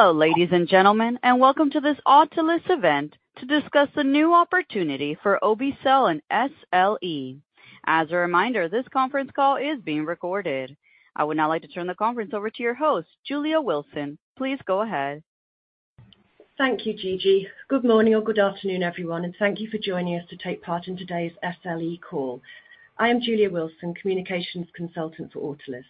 Hello, ladies and gentlemen, and welcome to this Autolus event to discuss the new opportunity for obe-cel and SLE. As a reminder, this conference call is being recorded. I would now like to turn the conference over to your host, Julia Wilson. Please go ahead. Thank you, Gigi. Good morning or good afternoon, everyone, and thank you for joining us to take part in today's SLE call. I am Julia Wilson, Communications Consultant for Autolus.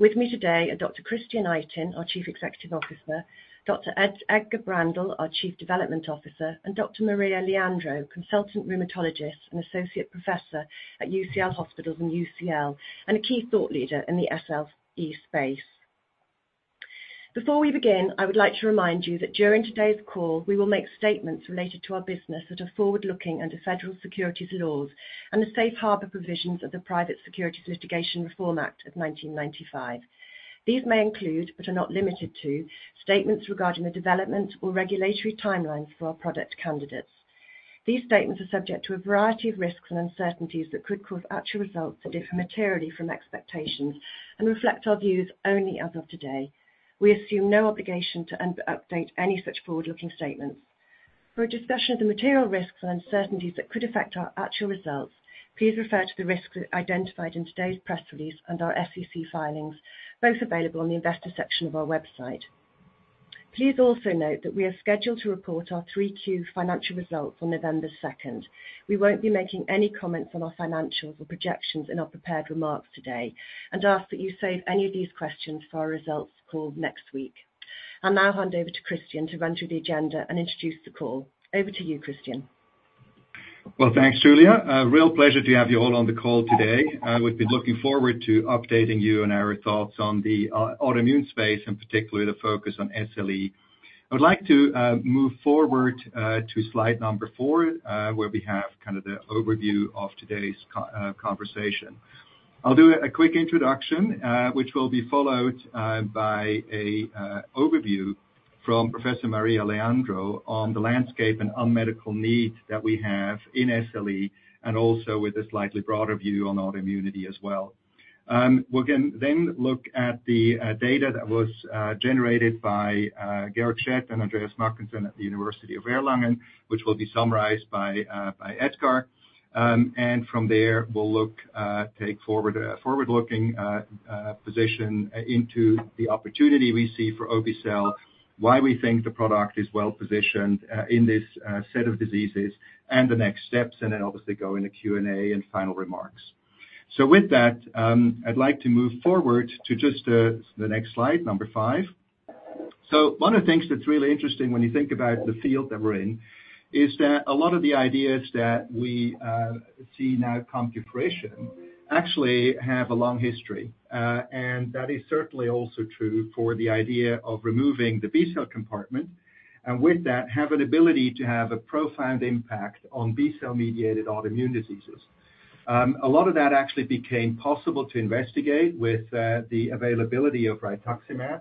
With me today are Dr. Christian Itin, our Chief Executive Officer, Dr. Edgar Braendle, our Chief Development Officer, and Dr. Maria Leandro, Consultant Rheumatologist and Associate Professor at UCL Hospitals in UCL, and a key thought leader in the SLE space. Before we begin, I would like to remind you that during today's call, we will make statements related to our business that are forward-looking under federal securities laws and the safe harbor provisions of the Private Securities Litigation Reform Act of 1995. These may include, but are not limited to, statements regarding the development or regulatory timelines for our product candidates. These statements are subject to a variety of risks and uncertainties that could cause actual results to differ materially from expectations and reflect our views only as of today. We assume no obligation to update any such forward-looking statements. For a discussion of the material risks and uncertainties that could affect our actual results, please refer to the risks identified in today's press release and our SEC filings, both available on the investor section of our website. Please also note that we are scheduled to report our Q3 financial results on November 2. We won't be making any comments on our financials or projections in our prepared remarks today and ask that you save any of these questions for our results call next week. I'll now hand over to Christian to run through the agenda and introduce the call. Over to you, Christian. Well, thanks, Julia. A real pleasure to have you all on the call today. We've been looking forward to updating you on our thoughts on the autoimmune space, and particularly the focus on SLE. I would like to move forward to slide number 4, where we have kind of the overview of today's conversation. I'll do a quick introduction, which will be followed by an overview from Professor Maria Leandro on the landscape and unmet needs that we have in SLE and also with a slightly broader view on autoimmunity as well. We're then going to look at the data that was generated by Georg Schett and Andreas Mackensen at the University of Erlangen, which will be summarized by Edgar. And from there, we'll look, take forward, a forward-looking, position into the opportunity we see for obe-cel, why we think the product is well-positioned, in this, set of diseases, and the next steps, and then obviously go in a Q&A and final remarks. So with that, I'd like to move forward to just, the next slide, number five. So one of the things that's really interesting when you think about the field that we're in, is that a lot of the ideas that we, see now come to fruition actually have a long history. And that is certainly also true for the idea of removing the B-cell compartment, and with that, have an ability to have a profound impact on B-cell-mediated autoimmune diseases. A lot of that actually became possible to investigate with the availability of rituximab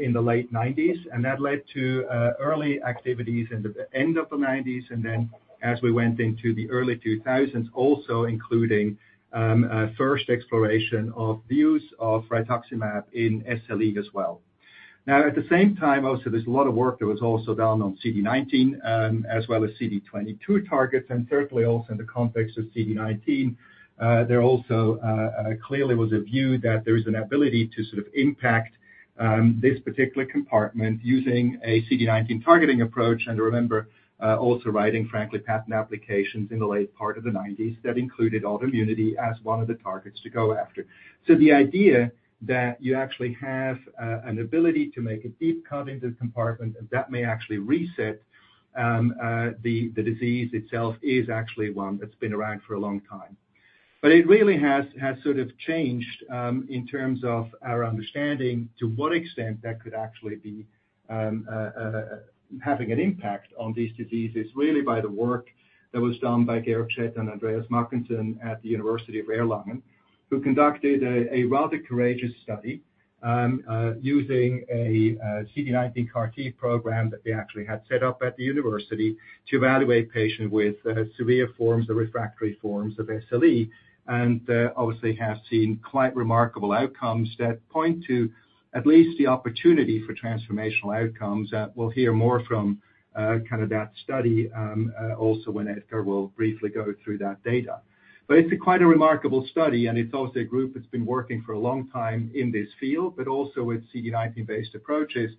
in the late 1990s, and that led to early activities in the end of the 1990s, and then as we went into the early 2000s, also including a first exploration of the use of rituximab in SLE as well. Now, at the same time, also, there's a lot of work that was also done on CD19 as well as CD22 targets, and thirdly, also in the context of CD19, there also clearly was a view that there is an ability to sort of impact this particular compartment using a CD19 targeting approach. And remember, also writing, frankly, patent applications in the late part of the 1990s that included autoimmunity as one of the targets to go after. So the idea that you actually have an ability to make a deep cut into the compartment, and that may actually reset the disease itself, is actually one that's been around for a long time. But it really has sort of changed in terms of our understanding to what extent that could actually be having an impact on these diseases, really by the work that was done by Georg Schett and Andreas Mackensen at the University of Erlangen, who conducted a rather courageous study using a CD19 CAR-T program that they actually had set up at the university to evaluate patients with severe forms or refractory forms of SLE. Obviously, have seen quite remarkable outcomes that point to at least the opportunity for transformational outcomes. We'll hear more from kind of that study, also when Edgar will briefly go through that data. But it's quite a remarkable study, and it's also a group that's been working for a long time in this field, but also with CD19-based approaches.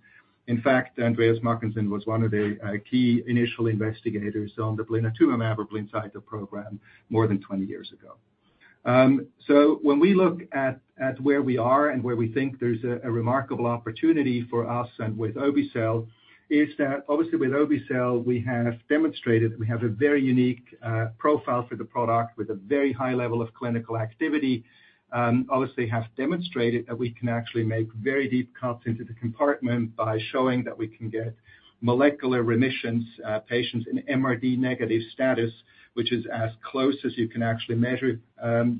In fact, Andreas Mackensen was one of the key initial investigators on the blinatumomab or Blincyto program more than 20 years ago. So when we look at where we are and where we think there's a remarkable opportunity for us and with obe-cel, is that obviously with obe-cel, we have demonstrated we have a very unique profile for the product with a very high level of clinical activity. Obviously, have demonstrated that we can actually make very deep cuts into the compartment by showing that we can get molecular remissions, patients in MRD-negative status, which is as close as you can actually measure,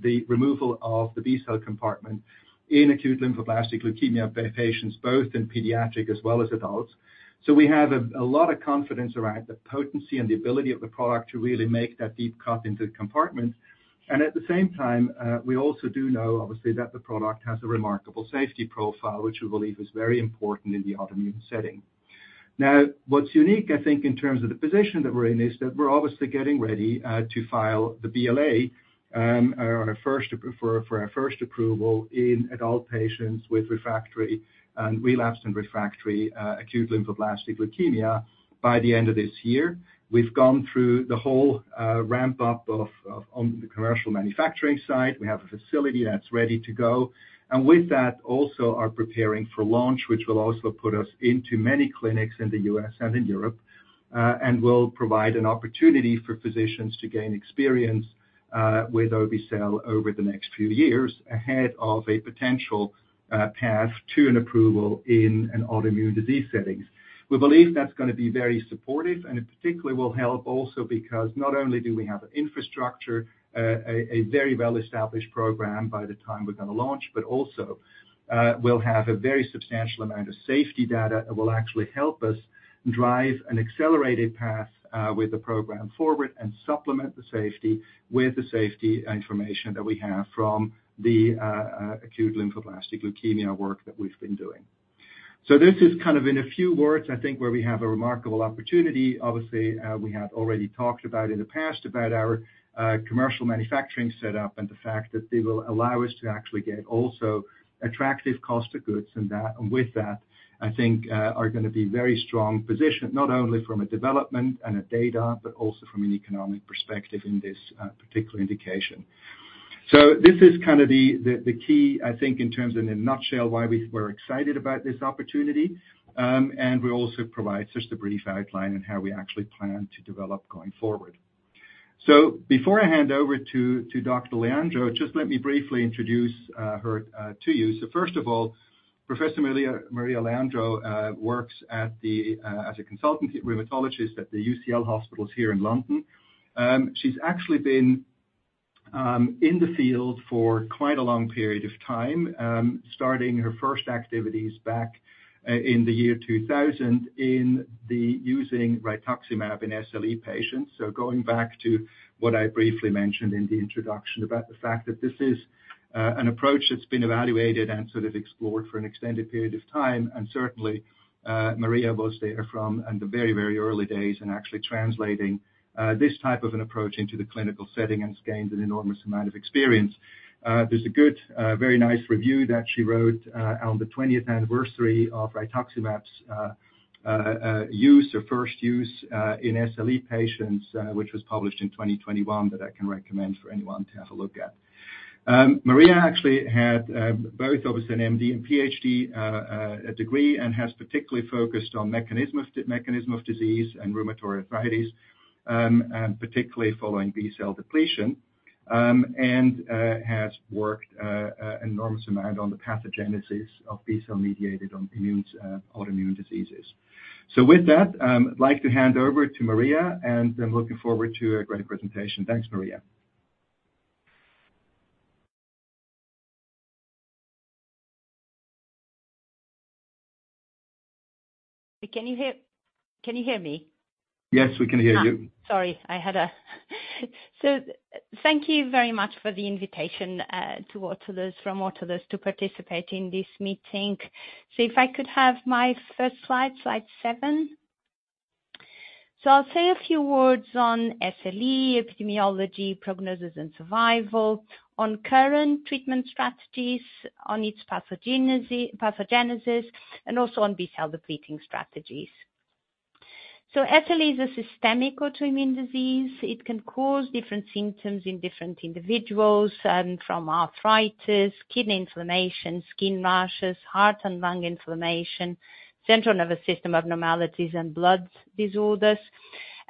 the removal of the B-cell compartment in acute lymphoblastic leukemia patients, both in pediatric as well as adults. So we have a lot of confidence around the potency and the ability of the product to really make that deep cut into the compartment. And at the same time, we also do know, obviously, that the product has a remarkable safety profile, which we believe is very important in the autoimmune setting. Now, what's unique, I think, in terms of the position that we're in, is that we're obviously getting ready to file the BLA on a first, for, for our first approval in adult patients with refractory and relapsed and refractory acute lymphoblastic leukemia by the end of this year. We've gone through the whole ramp-up of on the commercial manufacturing side. We have a facility that's ready to go. And with that, also are preparing for launch, which will also put us into many clinics in the U.S. and in Europe, and will provide an opportunity for physicians to gain experience with obe-cel over the next few years, ahead of a potential path to an approval in an autoimmune disease setting. We believe that's gonna be very supportive, and it particularly will help also because not only do we have the infrastructure, a very well-established program by the time we're gonna launch, but also we'll have a very substantial amount of safety data that will actually help us drive an accelerated path with the program forward and supplement the safety with the safety information that we have from the acute lymphoblastic leukemia work that we've been doing. So this is kind of, in a few words, I think, where we have a remarkable opportunity. Obviously, we have already talked about in the past about our commercial manufacturing setup and the fact that they will allow us to actually get also attractive cost of goods, and that with that, I think, are gonna be very strong position, not only from a development and a data, but also from an economic perspective in this particular indication. So this is kind of the key, I think, in terms of, in a nutshell, why we're excited about this opportunity. And we also provide just a brief outline on how we actually plan to develop going forward. So before I hand over to Dr. Leandro, just let me briefly introduce her to you. So first of all, Professor Maria Leandro works as a consultant rheumatologist at the UCL Hospitals here in London. She's actually been in the field for quite a long period of time, starting her first activities back in the year 2000, in the using rituximab in SLE patients. So going back to what I briefly mentioned in the introduction, about the fact that this is an approach that's been evaluated and sort of explored for an extended period of time. And certainly, Maria was there from, in the very, very early days, and actually translating this type of an approach into the clinical setting and has gained an enormous amount of experience. There's a good, very nice review that she wrote, on the 20th anniversary of rituximab's use or first use, in SLE patients, which was published in 2021, that I can recommend for anyone to have a look at. Maria actually had both obviously an MD and PhD degree, and has particularly focused on mechanism of disease and rheumatoid arthritis, and particularly following B-cell depletion. Has worked enormous amount on the pathogenesis of B-cell mediated autoimmune diseases. So with that, I'd like to hand over to Maria, and I'm looking forward to a great presentation. Thanks, Maria. Can you hear, can you hear me? Yes, we can hear you. Thank you very much for the invitation to Autolus from Autolus to participate in this meeting. If I could have my first slide, slide 7. I'll say a few words on SLE, epidemiology, prognosis and survival, on current treatment strategies, on its pathogenesis, and also on B-cell depleting strategies. SLE is a systemic autoimmune disease. It can cause different symptoms in different individuals, from arthritis, kidney inflammation, skin rashes, heart and lung inflammation, central nervous system abnormalities, and blood disorders.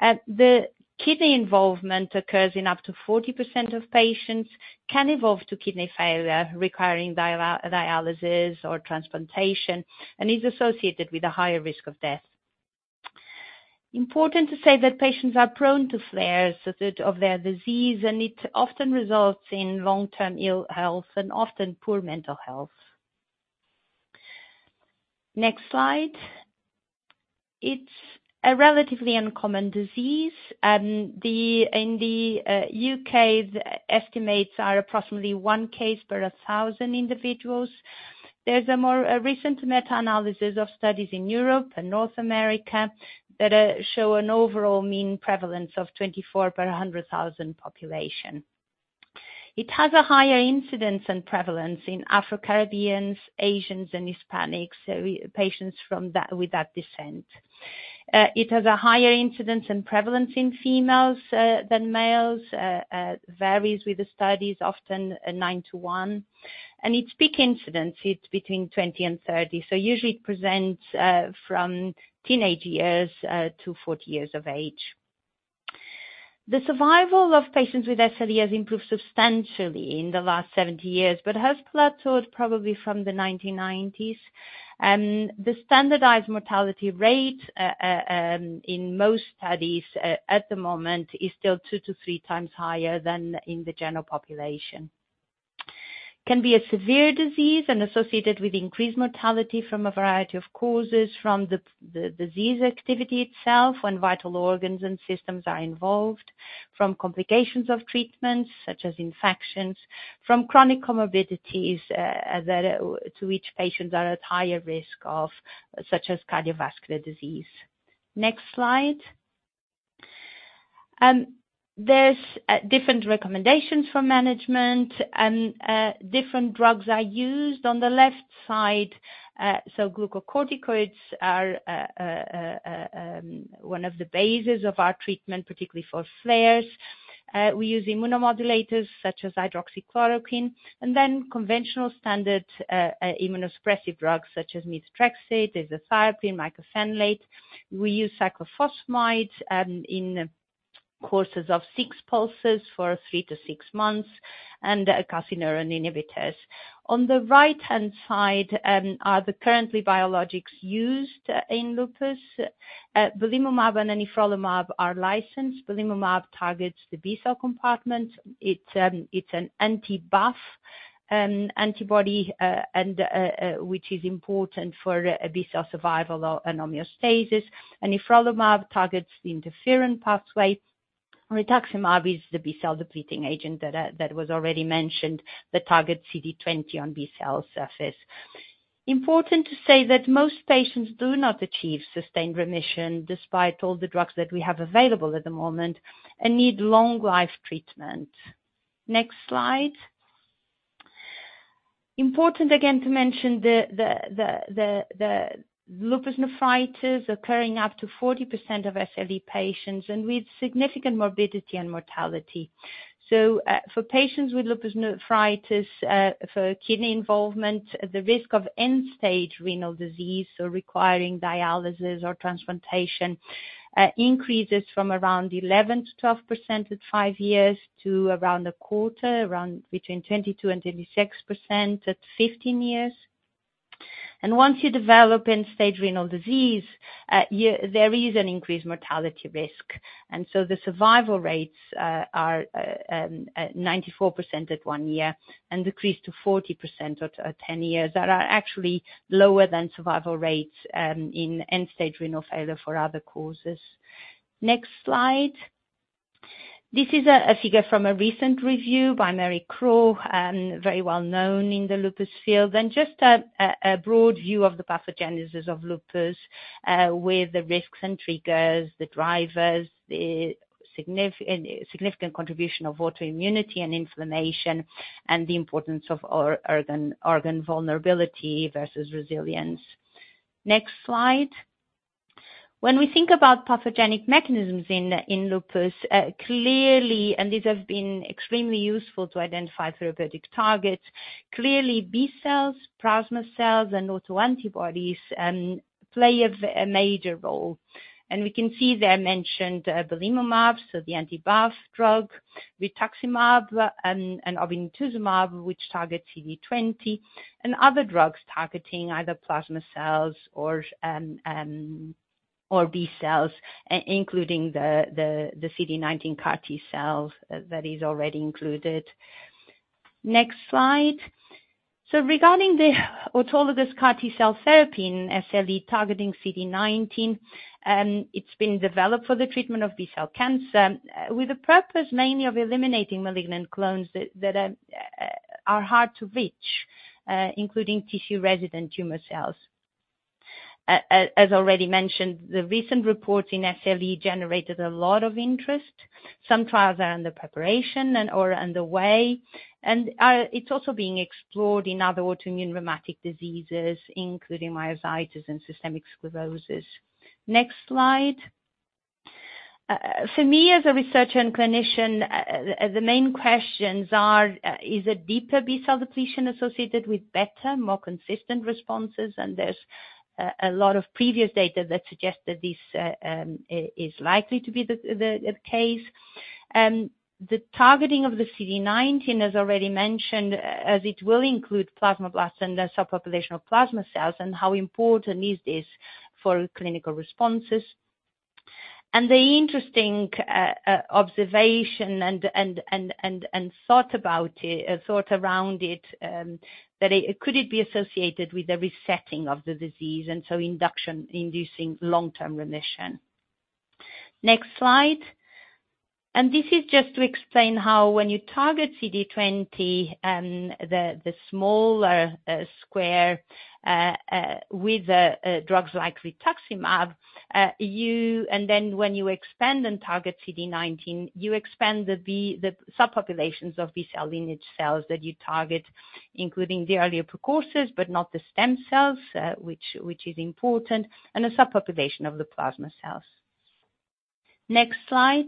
The kidney involvement occurs in up to 40% of patients, can evolve to kidney failure, requiring dialysis or transplantation, and is associated with a higher risk of death. Important to say that patients are prone to flares of their, of their disease, and it often results in long-term ill health and often poor mental health. Next slide. It's a relatively uncommon disease, the in the U.K., the estimates are approximately 1 case per 1,000 individuals. There's a more recent meta-analysis of studies in Europe and North America that show an overall mean prevalence of 24 per 100,000 population. It has a higher incidence and prevalence in Afro-Caribbeans, Asians, and Hispanics, so patients from that, with that descent. It has a higher incidence and prevalence in females than males, varies with the studies, often 9:1. Its peak incidence is between 20 and 30, so usually it presents from teenage years to 40 years of age. The survival of patients with SLE has improved substantially in the last 70 years, but has plateaued probably from the 1990s. The standardized mortality rate in most studies at the moment is still 2-3 times higher than in the general population. It can be a severe disease and associated with increased mortality from a variety of causes, from the disease activity itself, when vital organs and systems are involved, from complications of treatments such as infections, from chronic comorbidities that to which patients are at higher risk of, such as cardiovascular disease. Next slide. There's different recommendations for management, and different drugs are used on the left side. So glucocorticoids are one of the bases of our treatment, particularly for flares. We use immunomodulators such as hydroxychloroquine, and then conventional standard immunosuppressive drugs such as methotrexate, azathioprine, mycophenolate. We use cyclophosphamide in courses of six pulses for three to six months and calcineurin inhibitors. On the right-hand side are the currently biologics used in lupus. Belimumab and anifrolumab are licensed. Belimumab targets the B-cell compartment. It's an anti-BLyS antibody, which is important for B-cell survival or homeostasis. Anifrolumab targets the interferon pathway. Rituximab is the B-cell depleting agent that was already mentioned, that targets CD20 on B-cell surface. Important to say that most patients do not achieve sustained remission, despite all the drugs that we have available at the moment, and need long life treatment. Next slide. Important again to mention the lupus nephritis occurring up to 40% of SLE patients and with significant morbidity and mortality. So, for patients with lupus nephritis, for kidney involvement, the risk of end-stage renal disease or requiring dialysis or transplantation increases from around 11%-12% at 5 years to around a quarter, around between 22%-26% at 15 years. And once you develop end-stage renal disease, there is an increased mortality risk. And so the survival rates are 94% at 1 year and decrease to 40% at 10 years. That are actually lower than survival rates in end-stage renal failure for other causes. Next slide. This is a figure from a recent review by Mary Crow, very well known in the lupus field, and just a broad view of the pathogenesis of lupus, with the risks and triggers, the drivers, the significant contribution of autoimmunity and inflammation, and the importance of organ vulnerability versus resilience. Next slide. When we think about pathogenic mechanisms in lupus, clearly, and these have been extremely useful to identify therapeutic targets. Clearly, B cells, plasma cells, and autoantibodies play a major role, and we can see they're mentioned. Belimumab, so the anti-BLyS drug, rituximab, and obinutuzumab, which targets CD20, and other drugs targeting either plasma cells or B cells, including the CD19 CAR-T cells, that is already included. Next slide. So regarding the autologous CAR-T cell therapy in SLE targeting CD19, it's been developed for the treatment of B-cell cancer, with a purpose mainly of eliminating malignant clones that are hard to reach, including tissue-resident tumor cells. As already mentioned, the recent report in SLE generated a lot of interest. Some trials are under preparation and or underway, and it's also being explored in other autoimmune rheumatic diseases, including myositis and systemic sclerosis. Next slide. For me, as a researcher and clinician, the main questions are, is a deeper B-cell depletion associated with better, more consistent responses? And there's a lot of previous data that suggest that this is likely to be the case. The targeting of the CD19, as already mentioned, as it will include plasmablasts and the subpopulation of plasma cells, and how important is this for clinical responses? And the interesting observation and thought about it, thought around it, that it could it be associated with a resetting of the disease and so induction, inducing long-term remission? Next slide. And this is just to explain how when you target CD20, the smaller square with drugs like rituximab, you... And then when you expand and target CD19, you expand the subpopulations of B-cell lineage cells that you target, including the earlier precursors, but not the stem cells, which is important, and a subpopulation of the plasma cells. Next slide.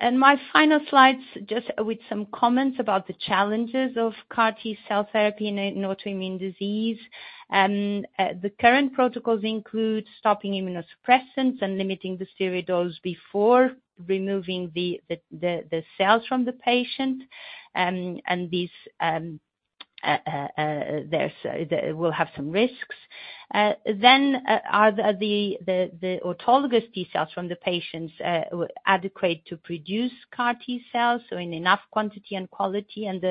My final slide, just with some comments about the challenges of CAR-T cell therapy in an autoimmune disease. The current protocols include stopping immunosuppressants and limiting the steroid dose before removing the cells from the patient. And these will have some risks. Then are the autologous T-cells from the patients adequate to produce CAR T-cells, so in enough quantity and quality? And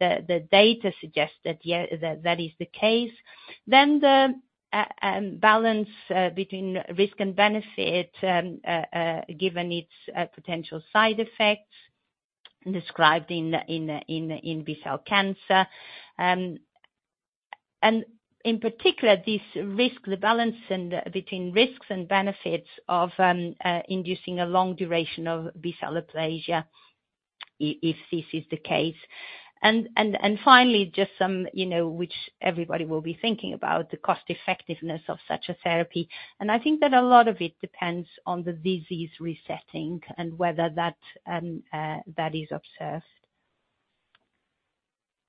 the data suggests that, yeah, that is the case. Then the balance between risk and benefit, given its potential side effects described in B-cell cancer. And in particular, the balance between risks and benefits of inducing a long duration of B-cell aplasia, if this is the case. Finally, just some, you know, which everybody will be thinking about, the cost-effectiveness of such a therapy. I think that a lot of it depends on the disease resetting and whether that is observed.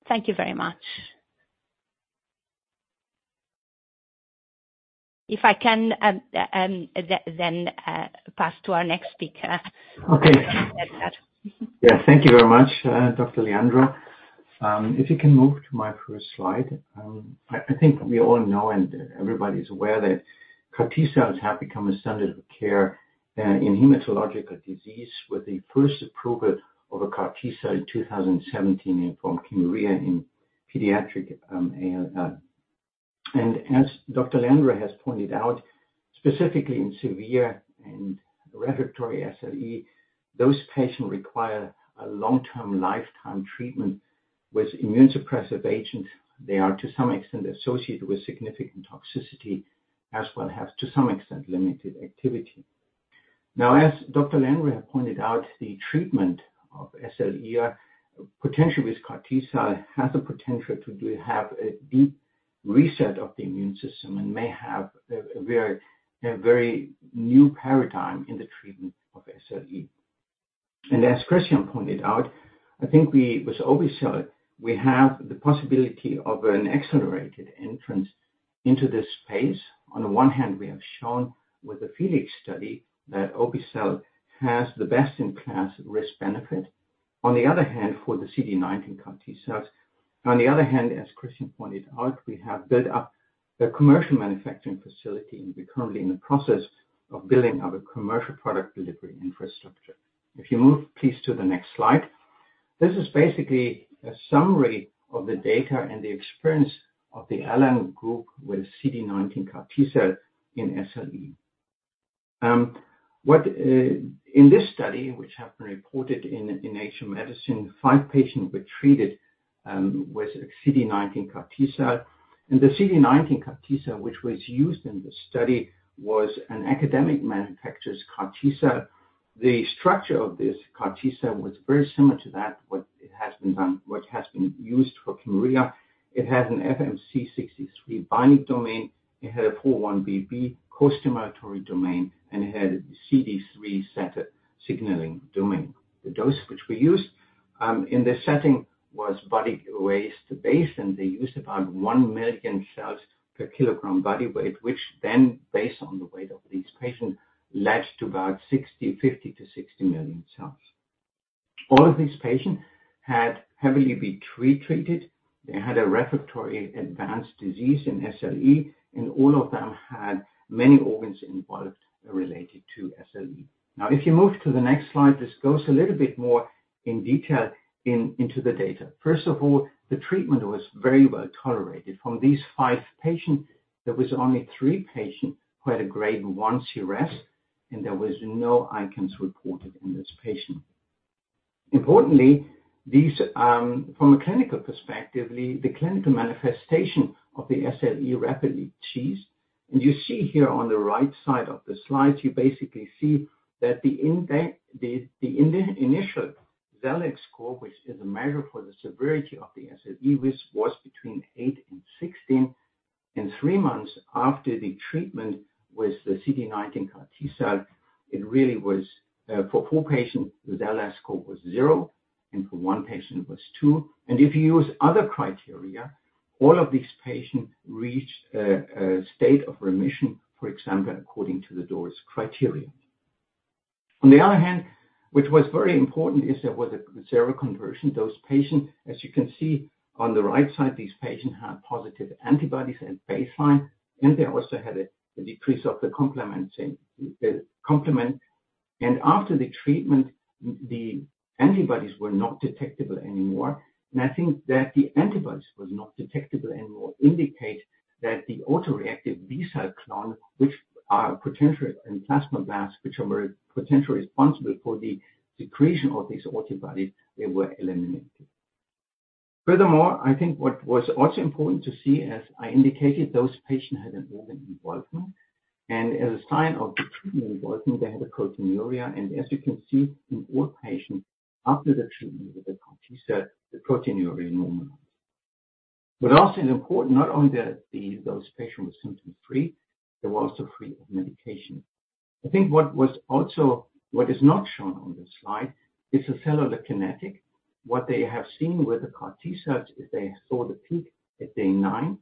Thank you very much. If I can then pass to our next speaker. Okay. Edgar. Yeah, thank you very much, Dr. Leandro. If you can move to my first slide. I think we all know, and everybody is aware, that CAR-T cells have become a standard of care in hematological disease, with the first approval of a CAR-T cell in 2017 from Kymriah in pediatric ALL. And as Dr. Leandro has pointed out, specifically in severe and refractory SLE, those patients require a long-term lifetime treatment with immunosuppressive agents. They are, to some extent, associated with significant toxicity, as well as, to some extent, limited activity. Now, as Dr. Leandro pointed out, the treatment of SLE, potentially with CAR-T cell, has the potential to have a deep reset of the immune system and may have a very, very new paradigm in the treatment of SLE. And as Christian pointed out, I think we, with obe-cel, we have the possibility of an accelerated entrance into this space. On the one hand, we have shown with the FELIX study that obe-cel has the best-in-class risk-benefit. On the other hand, for the CD19 CAR T-cells, on the other hand, as Christian pointed out, we have built up a commercial manufacturing facility, and we're currently in the process of building up a commercial product delivery infrastructure. If you move, please, to the next slide. This is basically a summary of the data and the experience of the Erlangen Group with CD19 CAR T-cell in SLE. In this study, which have been reported in, in Nature Medicine, five patients were treated, with a CD19 CAR T-cell. And the CD19 CAR T-cell, which was used in the study, was an academic manufacturer's CAR T-cell. The structure of this CAR-T cell was very similar to that what it has been done, what has been used for Kymriah. It had an FMC63 binding domain, it had a 4-1BB costimulatory domain, and it had a CD3 zeta signaling domain. The dose which we used in this setting was body weight based, and they used about 1 million cells per kilogram body weight, which then, based on the weight of these patients, led to about 50-60 million cells. All of these patients had heavily been pre-treated. They had a refractory advanced disease in SLE, and all of them had many organs involved related to SLE. Now, if you move to the next slide, this goes a little bit more in detail in, into the data. First of all, the treatment was very well tolerated. From these 5 patients, there was only 3 patients who had a grade 1 CRS, and there was no ICANS reported in this patient. Importantly, these, from a clinical perspective, the clinical manifestation of the SLE rapidly ceased. You see here on the right side of the slide, you basically see that the initial SLEDAI score, which is a measure for the severity of the SLE, which was between 8 and 16. Three months after the treatment with the CD19 CAR T-cell, it really was, for 4 patients, the SLEDAI score was 0, and for 1 patient, it was 2. If you use other criteria, all of these patients reached a state of remission, for example, according to the DORIS criteria. On the other hand, which was very important, is there was a seroconversion. Those patients, as you can see on the right side, these patients had positive antibodies at baseline, and they also had a decrease of the complementing complement. And after the treatment, the antibodies were not detectable anymore. And I think that the antibodies was not detectable anymore indicate that the autoreactive B-cell clone, which are potentially in plasma blasts, which are more potentially responsible for the secretion of these antibodies, they were eliminated. Furthermore, I think what was also important to see, as I indicated, those patients had an organ involvement. And as a sign of the treatment involvement, they had a proteinuria, and as you can see, in all patients, after the treatment with the CAR T-cell, the proteinuria normalized. What also is important, not only those patients were symptom-free, they were also free of medication. I think what was also what is not shown on this slide is the cellular kinetic. What they have seen with the CAR T-cells is they saw the peak at day 9,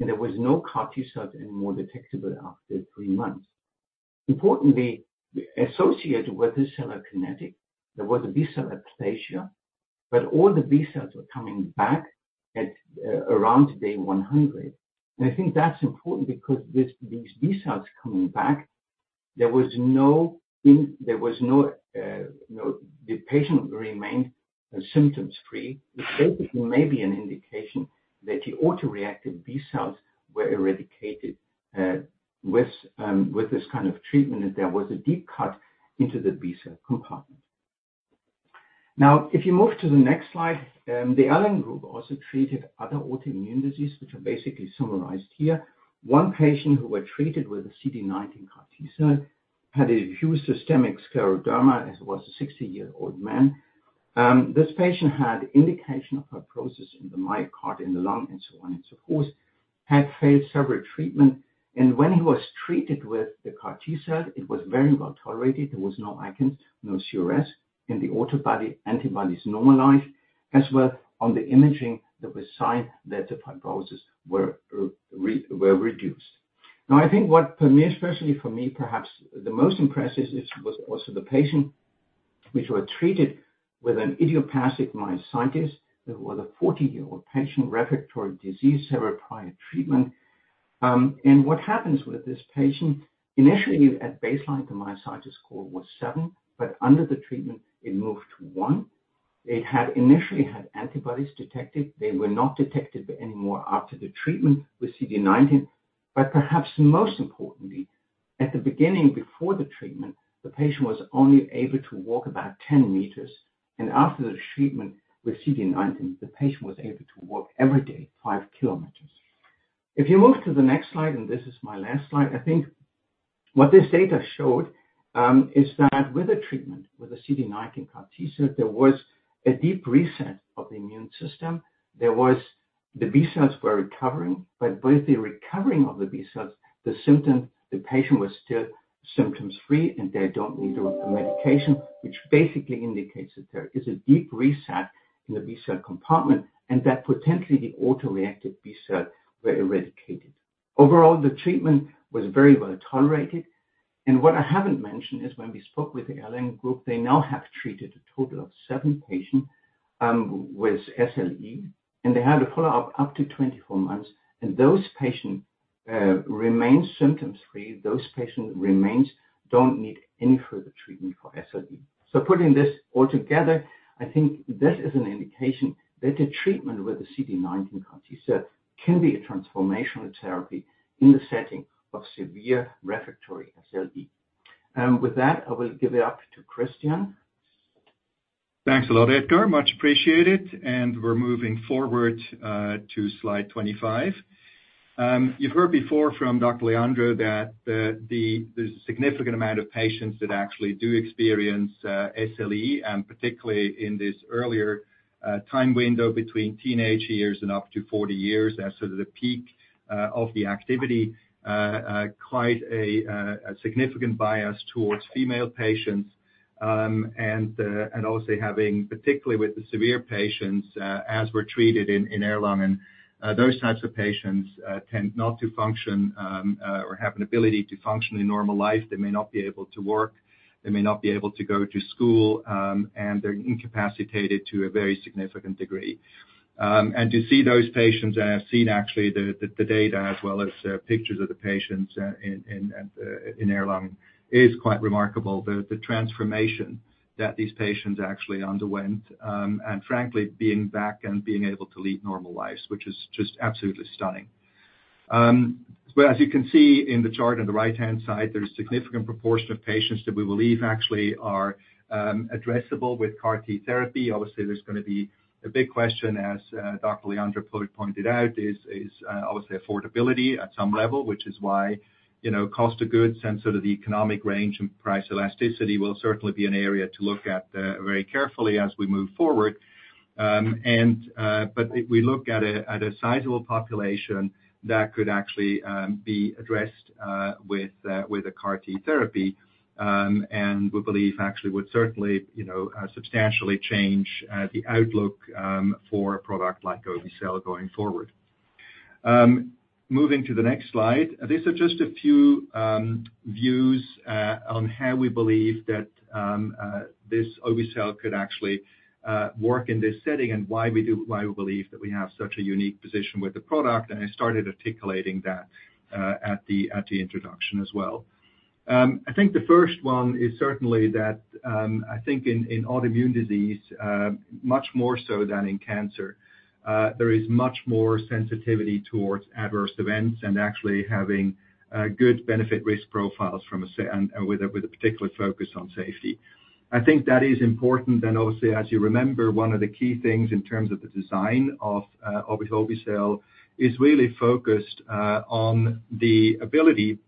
and there was no CAR T-cells anymore detectable after 3 months. Importantly, associated with this cellular kinetic, there was a B-cell aplasia, but all the B cells were coming back at around day 100. And I think that's important because with these B cells coming back, there was no, the patient remained symptoms free, which basically may be an indication that the autoreactive B cells were eradicated with this kind of treatment, and there was a deep cut into the B cell compartment. Now, if you move to the next slide, the Erlangen group also treated other autoimmune disease, which are basically summarized here. One patient who were treated with a CD19 CAR T-cell had a huge systemic scleroderma, as it was a 60-year-old man. This patient had indication of fibrosis in the myocardium, in the lung, and so on and so forth, had failed several treatments. And when he was treated with the CAR T-cell, it was very well tolerated. There was no ICANS, no CRS, and the autoantibodies normalized as well. On the imaging, there was sign that the fibrosis were reduced. Now, I think what, for me, especially for me, perhaps the most impressive was also the patient, which were treated with an idiopathic myositis, that was a 40-year-old patient, refractory disease, several prior treatments. And what happens with this patient, initially, at baseline, the myositis score was seven, but under the treatment it moved to one. It had initially had antibodies detected. They were not detected anymore after the treatment with CD19. But perhaps most importantly, at the beginning, before the treatment, the patient was only able to walk about 10 meters, and after the treatment with CD19, the patient was able to walk every day, five kilometers. If you move to the next slide, and this is my last slide, I think what this data showed is that with the treatment, with the CD19 CAR T-cell, there was a deep reset of the immune system. There was the B cells were recovering, but with the recovering of the B cells, the symptoms, the patient was still symptoms free, and they don't need a medication, which basically indicates that there is a deep reset in the B cell compartment, and that potentially the autoreactive B cell were eradicated. Overall, the treatment was very well tolerated, and what I haven't mentioned is when we spoke with the Erlangen group, they now have treated a total of seven patients with SLE, and they had a follow-up up to 24 months, and those patients remain symptom-free. Those patients remains don't need any further treatment for SLE. So putting this all together, I think this is an indication that a treatment with a CD19 CAR T-cell can be a transformational therapy in the setting of severe refractory SLE. With that, I will give it up to Christian. Thanks a lot, Edgar. Much appreciated. We're moving forward to slide 25. You've heard before from Dr. Leandro that there's a significant amount of patients that actually do experience SLE, and particularly in this earlier time window between teenage years and up to 40 years, as sort of the peak of the activity, quite a significant bias towards female patients. And also having, particularly with the severe patients, as were treated in Erlangen, those types of patients tend not to function or have an ability to function in normal life. They may not be able to work, they may not be able to go to school, and they're incapacitated to a very significant degree. And to see those patients, and I've seen actually the data as well as pictures of the patients in Erlangen, is quite remarkable, the transformation that these patients actually underwent, and frankly, being back and being able to lead normal lives, which is just absolutely stunning. But as you can see in the chart on the right-hand side, there is a significant proportion of patients that we believe actually are addressable with CAR-T therapy. Obviously, there's going to be a big question, as Dr. Leandro pointed out, is obviously affordability at some level, which is why, you know, cost of goods and sort of the economic range and price elasticity will certainly be an area to look at very carefully as we move forward. But if we look at a sizable population that could actually be addressed with a CAR-T therapy, and we believe actually would certainly, you know, substantially change the outlook for a product like obe-cel going forward. Moving to the next slide, these are just a few views on how we believe that this obe-cel could actually work in this setting and why we believe that we have such a unique position with the product, and I started articulating that at the introduction as well. I think the first one is certainly that I think in autoimmune disease, much more so than in cancer, there is much more sensitivity towards adverse events and actually having a good benefit risk profiles from a safety and with a particular focus on safety. I think that is important. And obviously, as you remember, one of the key things in terms of the design of obe-cel is really focused on the ability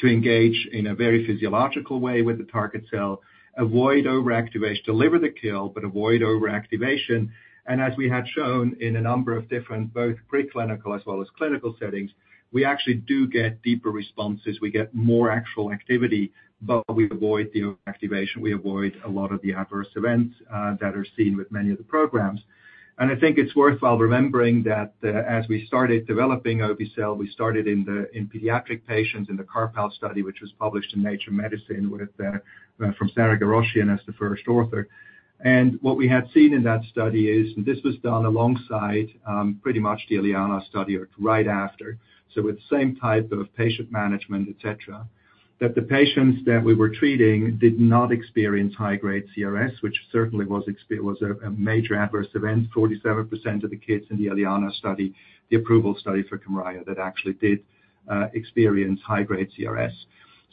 to engage in a very physiological way with the target cell, avoid overactivation, deliver the kill, but avoid overactivation. And as we had shown in a number of different, both preclinical as well as clinical settings, we actually do get deeper responses. We get more actual activity, but we avoid the overactivation, we avoid a lot of the adverse events that are seen with many of the programs. I think it's worthwhile remembering that, as we started developing obe-cel, we started in pediatric patients in the CARPALL study, which was published in Nature Medicine, with from Sara Ghorashian as the first author. What we have seen in that study is, and this was done alongside pretty much the ELIANA study or right after, so with the same type of patient management, et cetera, that the patients that we were treating did not experience high-grade CRS, which certainly was a major adverse event. 47% of the kids in the ELIANA study, the approval study for Kymriah, that actually did experience high-grade CRS.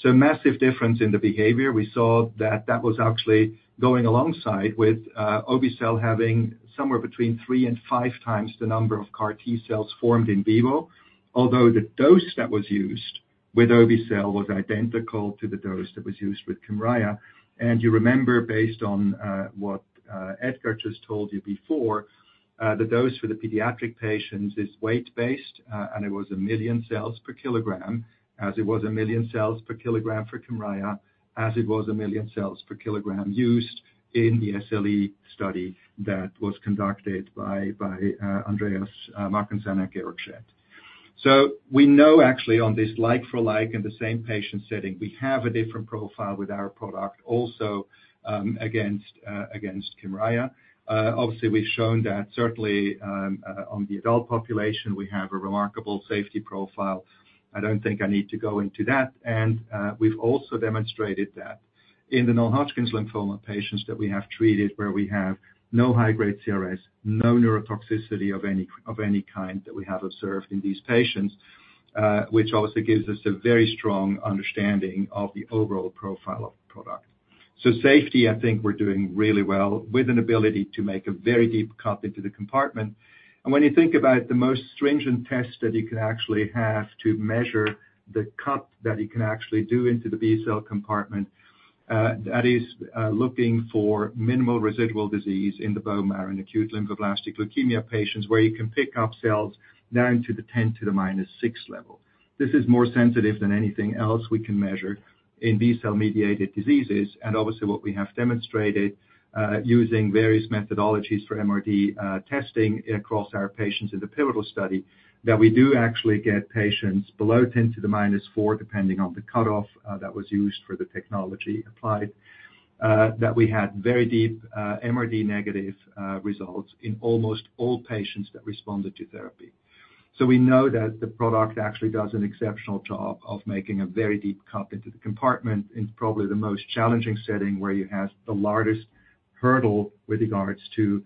Massive difference in the behavior. We saw that that was actually going alongside with obe-cel having somewhere between 3 and 5 times the number of CAR T-cells formed in vivo, although the dose that was used with obe-cel was identical to the dose that was used with Kymriah. You remember, based on what Edgar just told you before, the dose for the pediatric patients is weight-based, and it was 1 million cells per kilogram, as it was 1 million cells per kilogram for Kymriah, as it was 1 million cells per kilogram used in the SLE study that was conducted by Andreas Mackensen at Erlangen. So we know actually on this like for like, in the same patient setting, we have a different profile with our product, also against Kymriah. Obviously, we've shown that certainly on the adult population, we have a remarkable safety profile. I don't think I need to go into that. We've also demonstrated that in the non-Hodgkin lymphoma patients that we have treated, where we have no high-grade CRS, no neurotoxicity of any, of any kind that we have observed in these patients, which also gives us a very strong understanding of the overall profile of the product. So safety, I think we're doing really well with an ability to make a very deep cut into the compartment. And when you think about the most stringent test that you can actually have to measure the cut that you can actually do into the B-cell compartment, that is, looking for minimal residual disease in the bone marrow, in acute lymphoblastic leukemia patients, where you can pick up cells down to the 10 to the minus 6 level. This is more sensitive than anything else we can measure in B-cell-mediated diseases, and obviously, what we have demonstrated, using various methodologies for MRD, testing across our patients in the pivotal study, that we do actually get patients below 10 to the minus 4, depending on the cutoff, that was used for the technology applied, that we had very deep, MRD-negative, results in almost all patients that responded to therapy. So we know that the product actually does an exceptional job of making a very deep cut into the compartment in probably the most challenging setting, where you have the largest hurdle with regards to,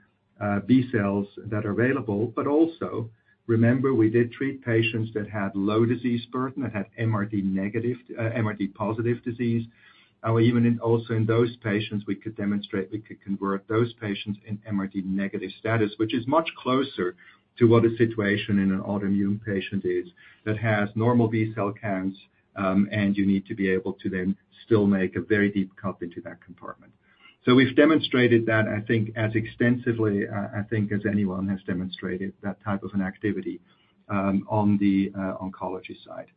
B cells that are available. But also, remember, we did treat patients that had low disease burden, that had MRD-negative, MRD positive disease. Even in, also in those patients, we could demonstrate we could convert those patients in MRD-negative status, which is much closer to what a situation in an autoimmune patient is, that has normal B cell counts, and you need to be able to then still make a very deep cut into that compartment. So we've demonstrated that, I think, as extensively, I think, as anyone has demonstrated that type of an activity, on the oncology side.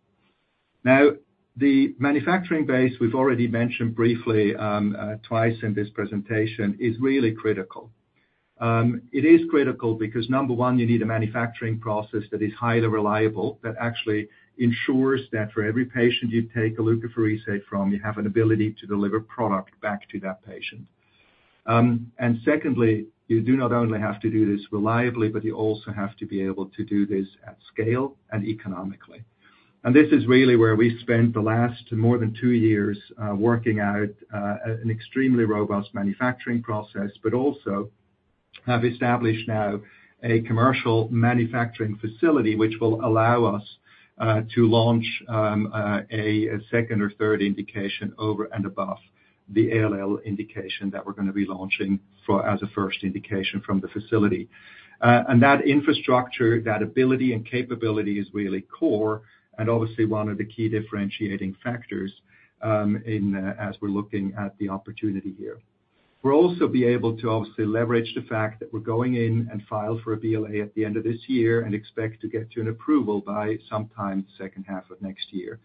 Now, the manufacturing base, we've already mentioned briefly, twice in this presentation, is really critical. It is critical because number one, you need a manufacturing process that is highly reliable, that actually ensures that for every patient you take a leukapheresis from, you have an ability to deliver product back to that patient. And secondly, you do not only have to do this reliably, but you also have to be able to do this at scale and economically. And this is really where we spent the last more than two years, working out an extremely robust manufacturing process, but also have established now a commercial manufacturing facility, which will allow us to launch a second or third indication over and above the ALL indication that we're gonna be launching as a first indication from the facility. And that infrastructure, that ability and capability is really core and obviously one of the key differentiating factors in as we're looking at the opportunity here. We'll also be able to obviously leverage the fact that we're going in and file for a BLA at the end of this year and expect to get to an approval by sometime second half of next year.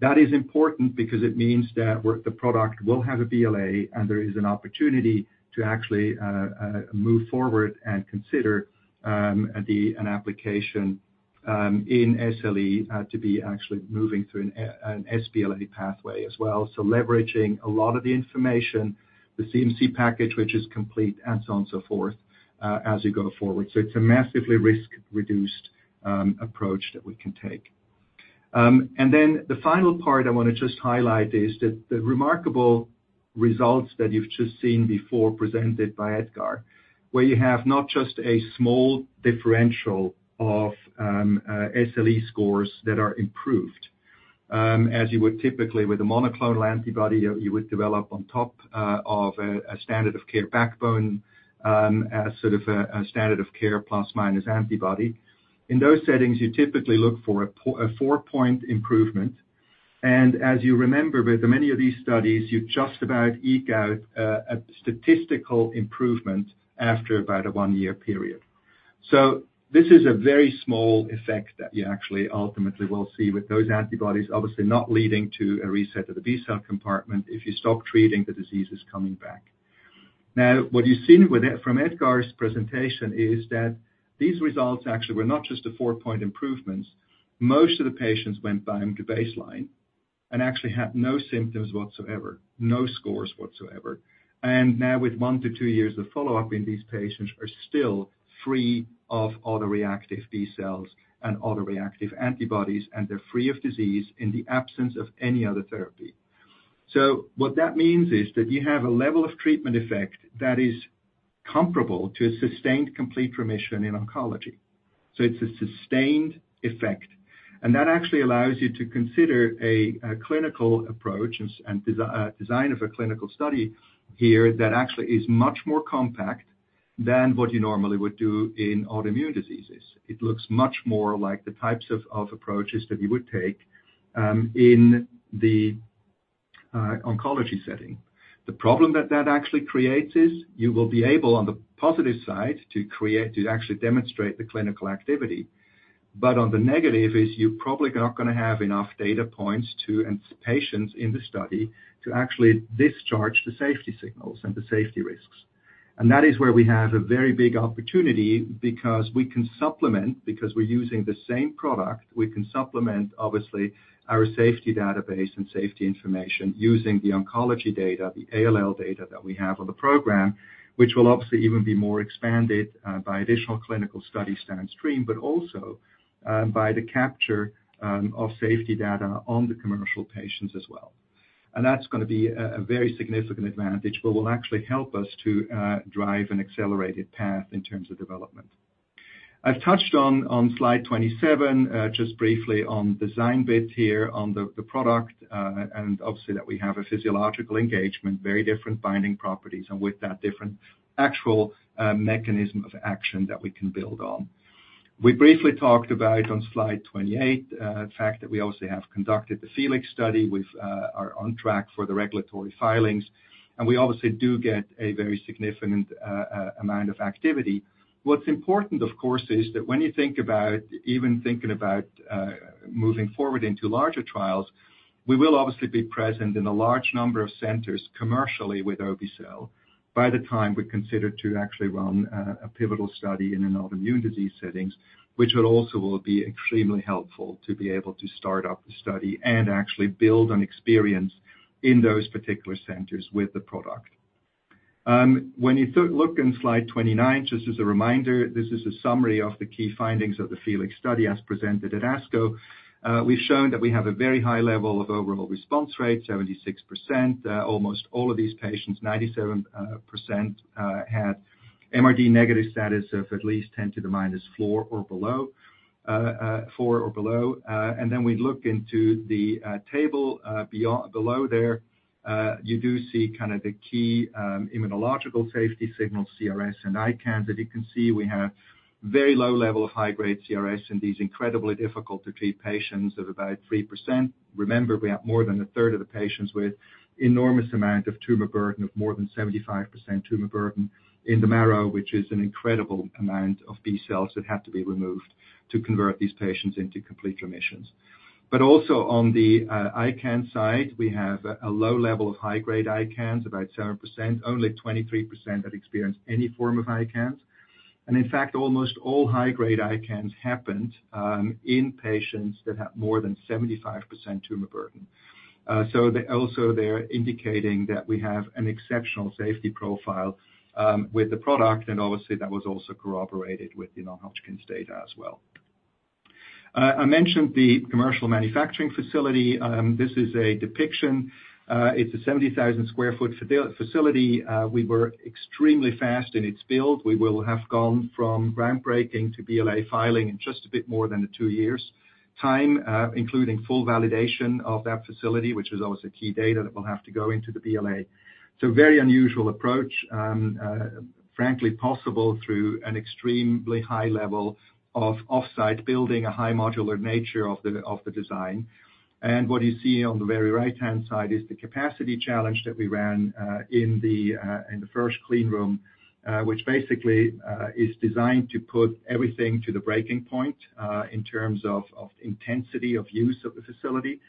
That is important because it means that we're the product will have a BLA, and there is an opportunity to actually move forward and consider an application in SLE to be actually moving through an sBLA pathway as well. So leveraging a lot of the information, the CMC package, which is complete, and so on and so forth as we go forward. So it's a massively risk-reduced approach that we can take. And then the final part I want to just highlight is that the remarkable results that you've just seen before, presented by Edgar, where you have not just a small differential of SLE scores that are improved, as you would typically with a monoclonal antibody, you would develop on top of a standard of care backbone, as sort of a standard of care plus/minus antibody. In those settings, you typically look for a 4-point improvement, and as you remember, with many of these studies, you just about eke out a statistical improvement after about a 1-year period. So this is a very small effect that you actually ultimately will see with those antibodies, obviously not leading to a reset of the B-cell compartment. If you stop treating, the disease is coming back. Now, what you've seen with—from Edgar's presentation is that these results actually were not just a four-point improvements. Most of the patients went back to baseline.... and actually had no symptoms whatsoever, no scores whatsoever. And now with one to two years of follow-up in these patients, are still free of autoreactive B cells and autoreactive antibodies, and they're free of disease in the absence of any other therapy. So what that means is that you have a level of treatment effect that is comparable to a sustained complete remission in oncology. So it's a sustained effect, and that actually allows you to consider a clinical approach and design of a clinical study here that actually is much more compact than what you normally would do in autoimmune diseases. It looks much more like the types of approaches that you would take in the oncology setting. The problem that that actually creates is, you will be able, on the positive side, to create, to actually demonstrate the clinical activity. But on the negative is you're probably not gonna have enough data points to, and patients in the study, to actually discharge the safety signals and the safety risks. And that is where we have a very big opportunity because we can supplement, because we're using the same product, we can supplement, obviously, our safety database and safety information using the oncology data, the ALL data that we have on the program, which will obviously even be more expanded by additional clinical study downstream, but also by the capture of safety data on the commercial patients as well. That's gonna be a very significant advantage, but will actually help us to drive an accelerated path in terms of development. I've touched on slide 27 just briefly on design bit here on the product, and obviously, that we have a physiological engagement, very different binding properties, and with that, different actual mechanism of action that we can build on. We briefly talked about it on slide 28, the fact that we obviously have conducted the FELIX study. We've are on track for the regulatory filings, and we obviously do get a very significant amount of activity. What's important, of course, is that when you think about even thinking about moving forward into larger trials, we will obviously be present in a large number of centers commercially with obe-cel by the time we consider to actually run a pivotal study in an autoimmune disease settings, which will also will be extremely helpful to be able to start up the study and actually build on experience in those particular centers with the product. When you look in slide 29, just as a reminder, this is a summary of the key findings of the FELIX study as presented at ASCO. We've shown that we have a very high level of overall response rate, 76%. Almost all of these patients, 97%, had MRD-negative status of at least 10 to the minus four or below, four or below. Then we look into the table below there. You do see kind of the key immunological safety signal, CRS and ICANS. As you can see, we have very low level of high-grade CRS in these incredibly difficult to treat patients of about 3%. Remember, we have more than a third of the patients with enormous amount of tumor burden, of more than 75% tumor burden in the marrow, which is an incredible amount of B cells that have to be removed to convert these patients into complete remissions. But also on the ICANS side, we have a low level of high-grade ICANS, about 7%. Only 23% have experienced any form of ICANS. And in fact, almost all high-grade ICANS happened in patients that have more than 75% tumor burden. So they also, they're indicating that we have an exceptional safety profile with the product, and obviously, that was also corroborated with the non-Hodgkin's data as well. I mentioned the commercial manufacturing facility. This is a depiction. It's a 70,000-square-foot facility. We were extremely fast in its build. We will have gone from groundbreaking to BLA filing in just a bit more than the two years' time, including full validation of that facility, which is obviously key data that will have to go into the BLA. It's a very unusual approach, frankly, possible through an extremely high level of offsite building, a high modular nature of the, of the design. And what you see on the very right-hand side is the capacity challenge that we ran, in the first clean room, which basically is designed to put everything to the breaking point, in terms of intensity of use of the facility.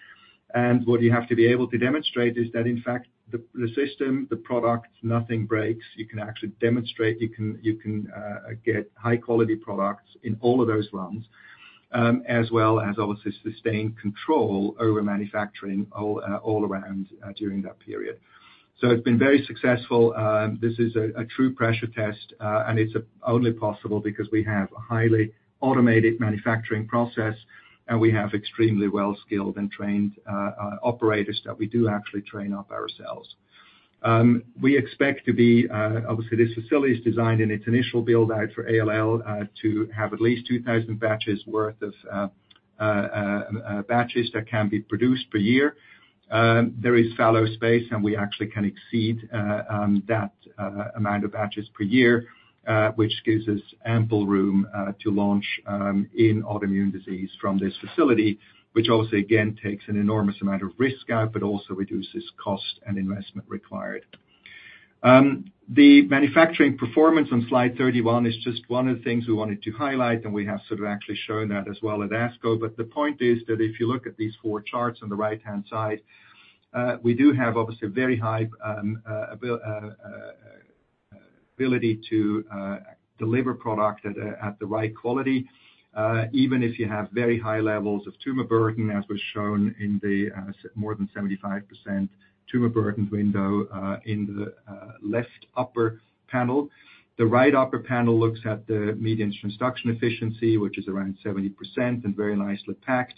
And what you have to be able to demonstrate is that, in fact, the system, the product, nothing breaks. You can actually demonstrate, you can get high-quality products in all of those runs, as well as obviously sustaining control over manufacturing all around, during that period. So it's been very successful. This is a true pressure test, and it's only possible because we have a highly automated manufacturing process, and we have extremely well-skilled and trained operators that we do actually train up ourselves. We expect to be... Obviously, this facility is designed in its initial build-out for ALL to have at least 2,000 batches worth of batches that can be produced per year. There is fallow space, and we actually can exceed that amount of batches per year, which gives us ample room to launch in autoimmune disease from this facility, which obviously, again, takes an enormous amount of risk out, but also reduces cost and investment required. The manufacturing performance on slide 31 is just one of the things we wanted to highlight, and we have sort of actually shown that as well at ASCO. But the point is that if you look at these four charts on the right-hand side, we do have obviously a very high... ability to deliver product at the right quality, even if you have very high levels of tumor burden, as was shown in the more than 75% tumor burden window in the left upper panel. The right upper panel looks at the median transduction efficiency, which is around 70% and very nicely packed.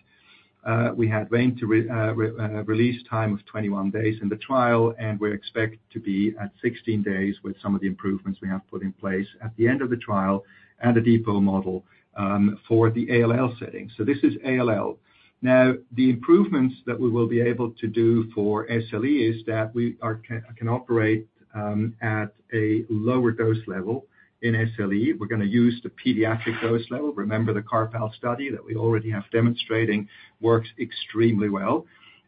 We had going to re-release time of 21 days in the trial, and we expect to be at 16 days with some of the improvements we have put in place at the end of the trial and a depot model for the ALL setting. This is ALL. Now, the improvements that we will be able to do for SLE is that we are, can, can operate at a lower dose level in SLE. We're going to use the pediatric dose level. Remember the CARPALL study that we already have demonstrating works extremely well.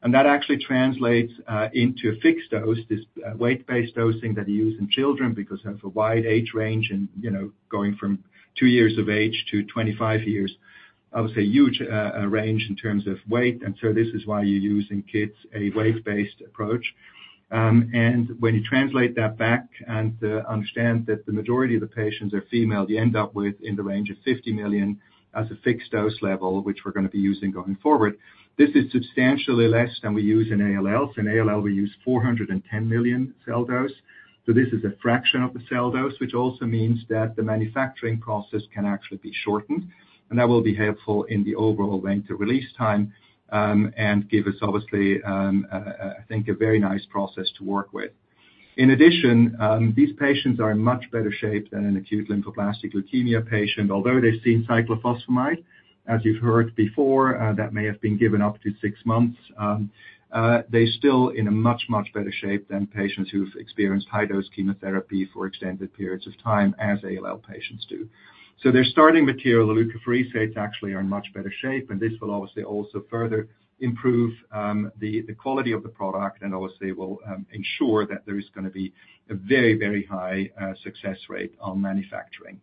That actually translates into a fixed dose, this weight-based dosing that you use in children because they have a wide age range and, you know, going from 2 years of age to 25 years, obviously, a huge range in terms of weight. So this is why you use in kids a weight-based approach. And when you translate that back and understand that the majority of the patients are female, you end up with in the range of 50 million as a fixed dose level, which we're going to be using going forward. This is substantially less than we use in ALL. In ALL, we use 410 million cell dose, so this is a fraction of the cell dose, which also means that the manufacturing process can actually be shortened, and that will be helpful in the overall going to release time, and give us, obviously, I think, a very nice process to work with. In addition, these patients are in much better shape than an acute lymphoblastic leukemia patient, although they've seen cyclophosphamide, as you've heard before, that may have been given up to 6 months. They're still in a much, much better shape than patients who've experienced high-dose chemotherapy for extended periods of time, as ALL patients do. So their starting material, the leukapheresis, actually are in much better shape, and this will obviously also further improve the quality of the product and obviously will ensure that there is going to be a very, very high success rate on manufacturing.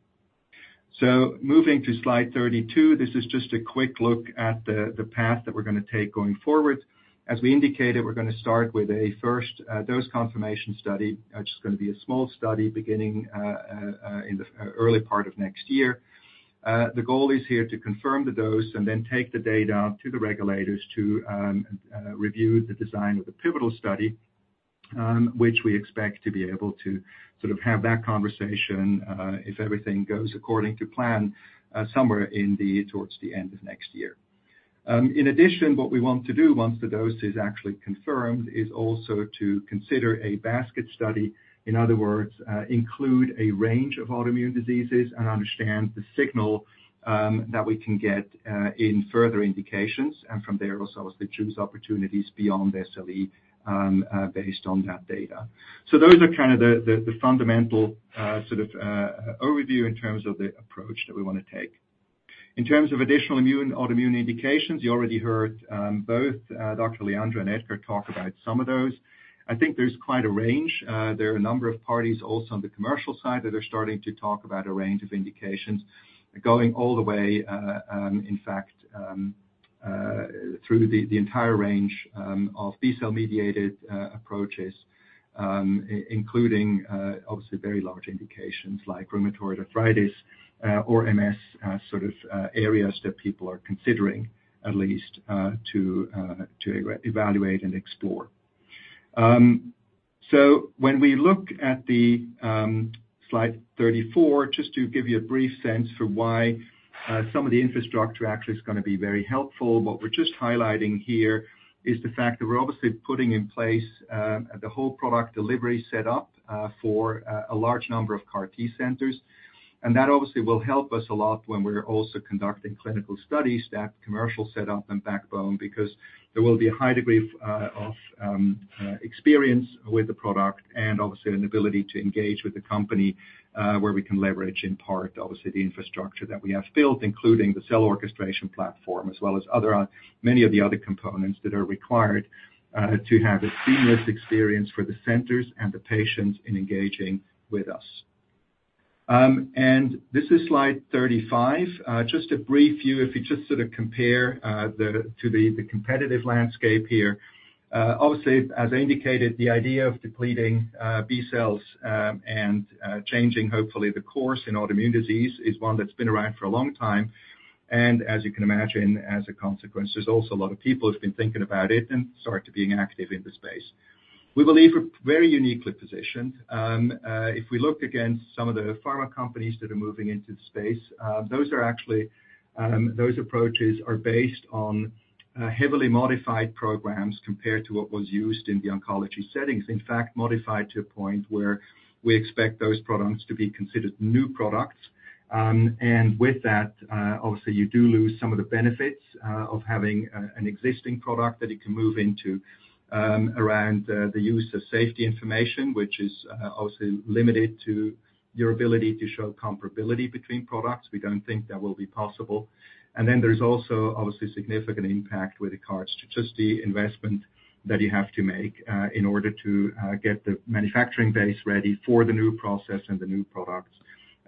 So moving to slide 32, this is just a quick look at the path that we're going to take going forward. As we indicated, we're going to start with a first dose confirmation study, which is going to be a small study beginning in the early part of next year. The goal is here to confirm the dose and then take the data to the regulators to review the design of the pivotal study, which we expect to be able to sort of have that conversation, if everything goes according to plan, somewhere in the, towards the end of next year. In addition, what we want to do once the dose is actually confirmed, is also to consider a basket study. In other words, include a range of autoimmune diseases and understand the signal that we can get in further indications, and from there, also obviously, choose opportunities beyond the SLE, based on that data. So those are kind of the fundamental sort of overview in terms of the approach that we want to take. In terms of additional immune, autoimmune indications, you already heard, both, Dr. Leandro and Edgar talk about some of those. I think there's quite a range. There are a number of parties also on the commercial side that are starting to talk about a range of indications going all the way, in fact, through the entire range, of B-cell-mediated approaches, including, obviously, very large indications like rheumatoid arthritis, or MS, sort of, areas that people are considering at least, to evaluate and explore. So when we look at the slide 34, just to give you a brief sense for why some of the infrastructure actually is going to be very helpful. What we're just highlighting here is the fact that we're obviously putting in place the whole product delivery set up for a large number of CAR T centers. And that obviously will help us a lot when we're also conducting clinical studies, that commercial set up and backbone, because there will be a high degree of experience with the product and obviously an ability to engage with the company, where we can leverage in part, obviously, the infrastructure that we have built, including the cell orchestration platform, as well as many of the other components that are required to have a seamless experience for the centers and the patients in engaging with us. And this is slide 35. Just a brief view, if you just sort of compare the competitive landscape here. Obviously, as I indicated, the idea of depleting B cells and changing hopefully the course in autoimmune disease is one that's been around for a long time. As you can imagine, as a consequence, there's also a lot of people who've been thinking about it and start to being active in the space. We believe we're very uniquely positioned. If we look against some of the pharma companies that are moving into the space, those are actually those approaches are based on heavily modified programs compared to what was used in the oncology settings. In fact, modified to a point where we expect those products to be considered new products. And with that, obviously, you do lose some of the benefits of having an existing product that you can move into, around the use of safety information, which is also limited to your ability to show comparability between products. We don't think that will be possible. And then there's also, obviously, significant impact with regard to just the investment that you have to make, in order to get the manufacturing base ready for the new process and the new products,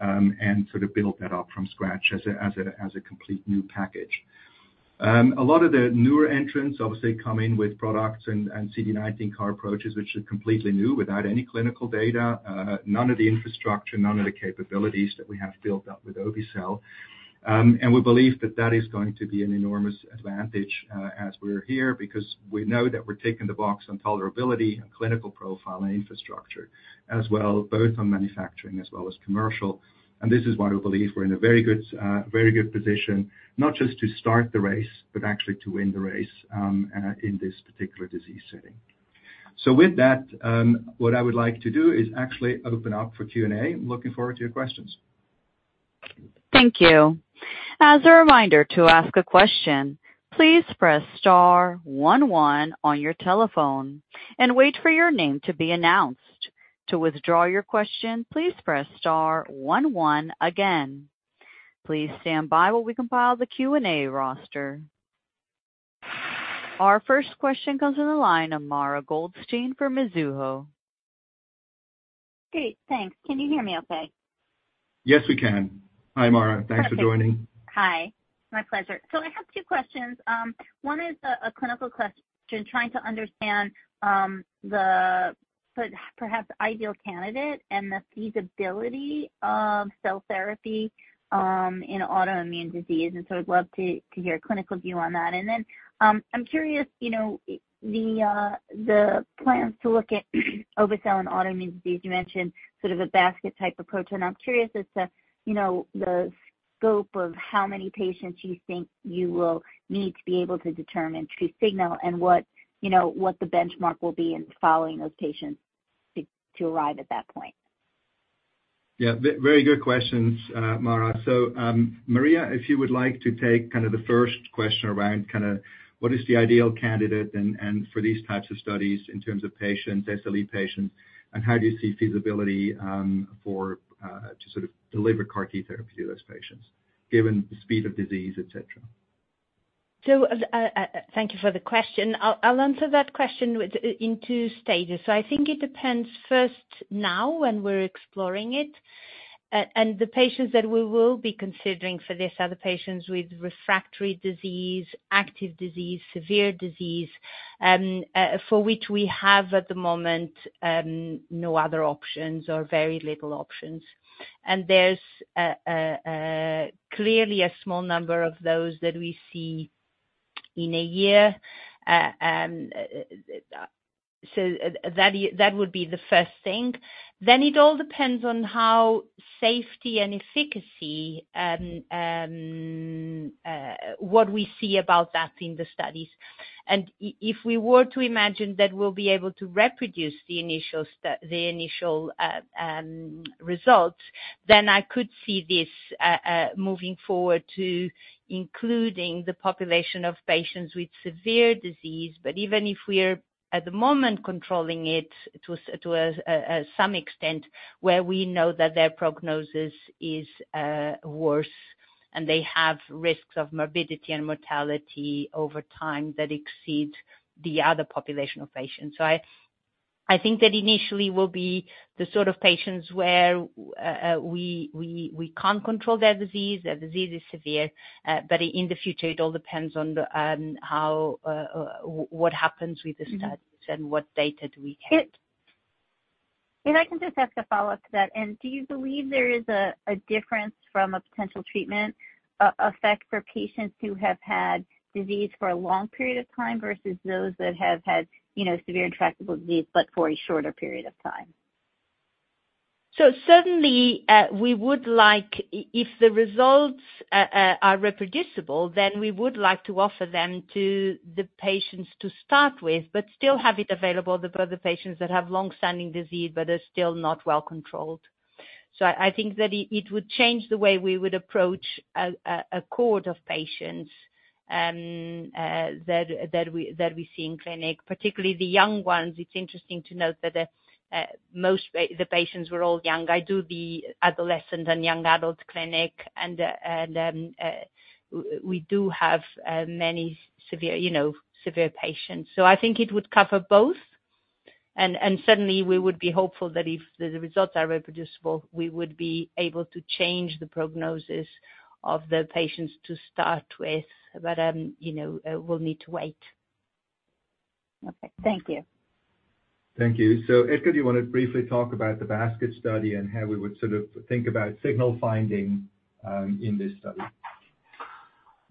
and sort of build that up from scratch as a complete new package. A lot of the newer entrants obviously come in with products and CD19 CAR approaches, which are completely new, without any clinical data, none of the infrastructure, none of the capabilities that we have built up with obe-cel. We believe that that is going to be an enormous advantage, as we're here, because we know that we're ticking the box on tolerability and clinical profile and infrastructure, as well, both on manufacturing as well as commercial. And this is why we believe we're in a very good, very good position, not just to start the race, but actually to win the race, in this particular disease setting. So with that, what I would like to do is actually open up for Q&A. I'm looking forward to your questions. Thank you. As a reminder, to ask a question, please press star one one on your telephone and wait for your name to be announced. To withdraw your question, please press star one one again. Please stand by while we compile the Q&A roster. Our first question comes to the line of Mara Goldstein from Mizuho. Great. Thanks. Can you hear me okay? Yes, we can. Hi, Mara. Thanks for joining. Hi. My pleasure. So I have two questions. One is a clinical question, trying to understand the perhaps ideal candidate and the feasibility of cell therapy in autoimmune disease. And so I'd love to hear your clinical view on that. And then, I'm curious, you know, the plans to look at obe-cel and autoimmune disease, you mentioned sort of a basket type approach, and I'm curious as to, you know, the scope of how many patients you think you will need to be able to determine true signal and what, you know, what the benchmark will be in following those patients to arrive at that point? Yeah, very good questions, Mara. So, Maria, if you would like to take kind of the first question around kind of what is the ideal candidate and for these types of studies in terms of patients, SLE patients, and how do you see feasibility for to sort of deliver CAR-T therapy to those patients, given the speed of disease, et cetera? So, thank you for the question. I'll answer that question with, in two stages. So I think it depends first, now, when we're exploring it, and the patients that we will be considering for this are the patients with refractory disease, active disease, severe disease, for which we have, at the moment, no other options or very little options. And there's clearly a small number of those that we see in a year. So that is, that would be the first thing. Then it all depends on how safety and efficacy, what we see about that in the studies. If we were to imagine that we'll be able to reproduce the initial results, then I could see this moving forward to including the population of patients with severe disease. But even if we're, at the moment, controlling it to some extent, where we know that their prognosis is worse, and they have risks of morbidity and mortality over time, that exceeds the other population of patients. So I think that initially will be the sort of patients where we can't control their disease. Their disease is severe, but in the future, it all depends on the how what happens with the studies. Mm-hmm. What data do we get? If I can just ask a follow-up to that, and do you believe there is a difference from a potential treatment effect for patients who have had disease for a long period of time versus those that have had, you know, severe intractable disease, but for a shorter period of time? So certainly, we would like, if the results are reproducible, then we would like to offer them to the patients to start with, but still have it available for the patients that have long-standing disease but are still not well controlled. So I think that it would change the way we would approach a cohort of patients that we see in clinic, particularly the young ones. It's interesting to note that most patients were all young. I do the adolescent and young adult clinic, and we do have many severe, you know, severe patients. So I think it would cover both. Certainly, we would be hopeful that if the results are reproducible, we would be able to change the prognosis of the patients to start with, but, you know, we'll need to wait. Okay. Thank you. Thank you. So, Edgar, do you want to briefly talk about the basket study and how we would sort of think about signal finding, in this study?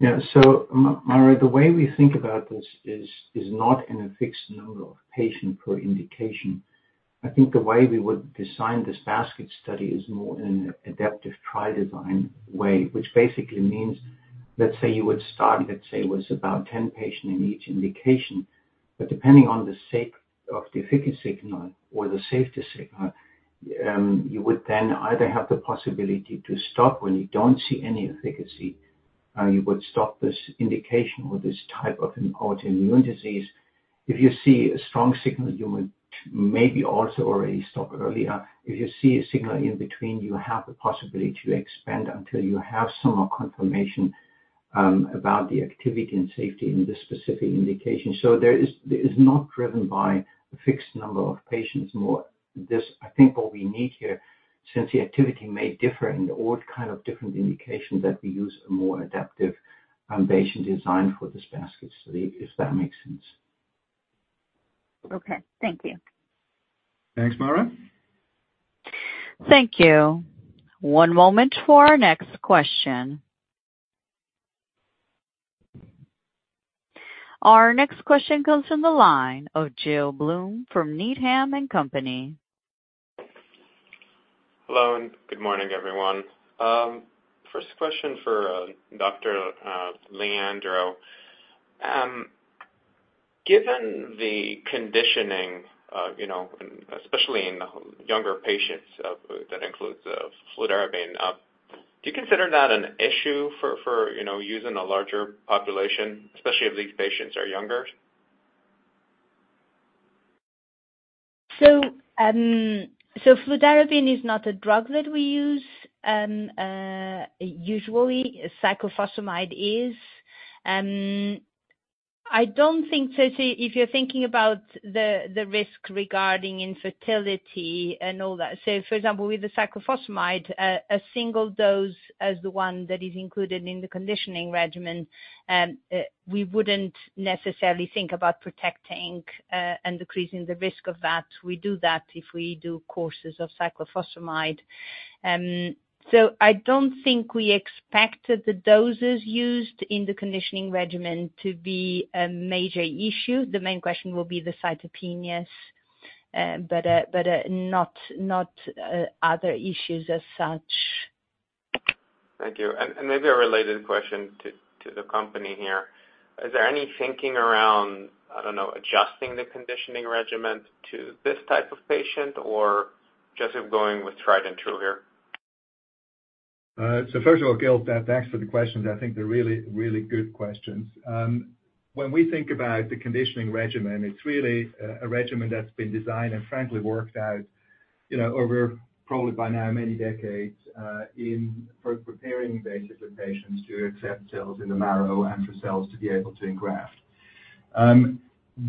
Yeah. So Mara, the way we think about this is not in a fixed number of patients per indication. I think the way we would design this basket study is more in an adaptive trial design way, which basically means, let's say you would start, let's say, with about 10 patients in each indication, but depending on the sake of the efficacy signal or the safety signal, you would then either have the possibility to stop when you don't see any efficacy, you would stop this indication or this type of an autoimmune disease. If you see a strong signal, you would maybe also already stop earlier. If you see a signal in between, you have the possibility to expand until you have some more confirmation about the activity and safety in this specific indication. It is not driven by a fixed number of patients more. This, I think what we need here, since the activity may differ in all kind of different indications, that we use a more adaptive patient design for this basket study, if that makes sense. ... Okay. Thank you. Thanks, Mara. Thank you. One moment for our next question. Our next question comes from the line of Gil Blum from Needham and Company. Hello, and good morning, everyone. First question for Dr. Leandro. Given the conditioning, you know, especially in the younger patients, that includes fludarabine, do you consider that an issue for you know, using a larger population, especially if these patients are younger? So fludarabine is not a drug that we use. Usually cyclophosphamide is. I don't think so, so if you're thinking about the risk regarding infertility and all that. So for example, with the cyclophosphamide, a single dose as the one that is included in the conditioning regimen, we wouldn't necessarily think about protecting and decreasing the risk of that. We do that if we do courses of cyclophosphamide. So I don't think we expect that the doses used in the conditioning regimen to be a major issue. The main question will be the cytopenias, but not other issues as such. Thank you. Maybe a related question to the company here. Is there any thinking around, I don't know, adjusting the conditioning regimen to this type of patient or just going with tried and true here? So first of all, Gil, thanks for the questions. I think they're really, really good questions. When we think about the conditioning regimen, it's really a regimen that's been designed and frankly worked out, you know, over probably by now many decades in for preparing basically patients to accept cells in the marrow and for cells to be able to engraft.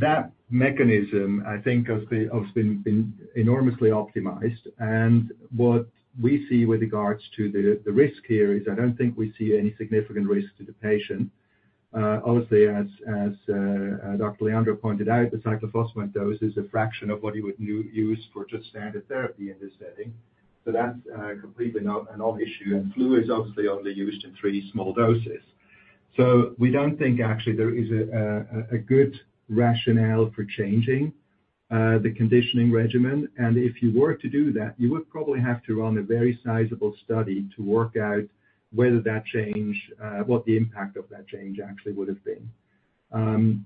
That mechanism, I think, has been enormously optimized, and what we see with regards to the risk here is I don't think we see any significant risk to the patient. Obviously, as Dr. Leandro pointed out, the cyclophosphamide dose is a fraction of what you would use for just standard therapy in this setting, so that's completely not a non-issue, and flu is obviously only used in pretty small doses. So we don't think actually there is a good rationale for changing the conditioning regimen. And if you were to do that, you would probably have to run a very sizable study to work out whether that change what the impact of that change actually would have been.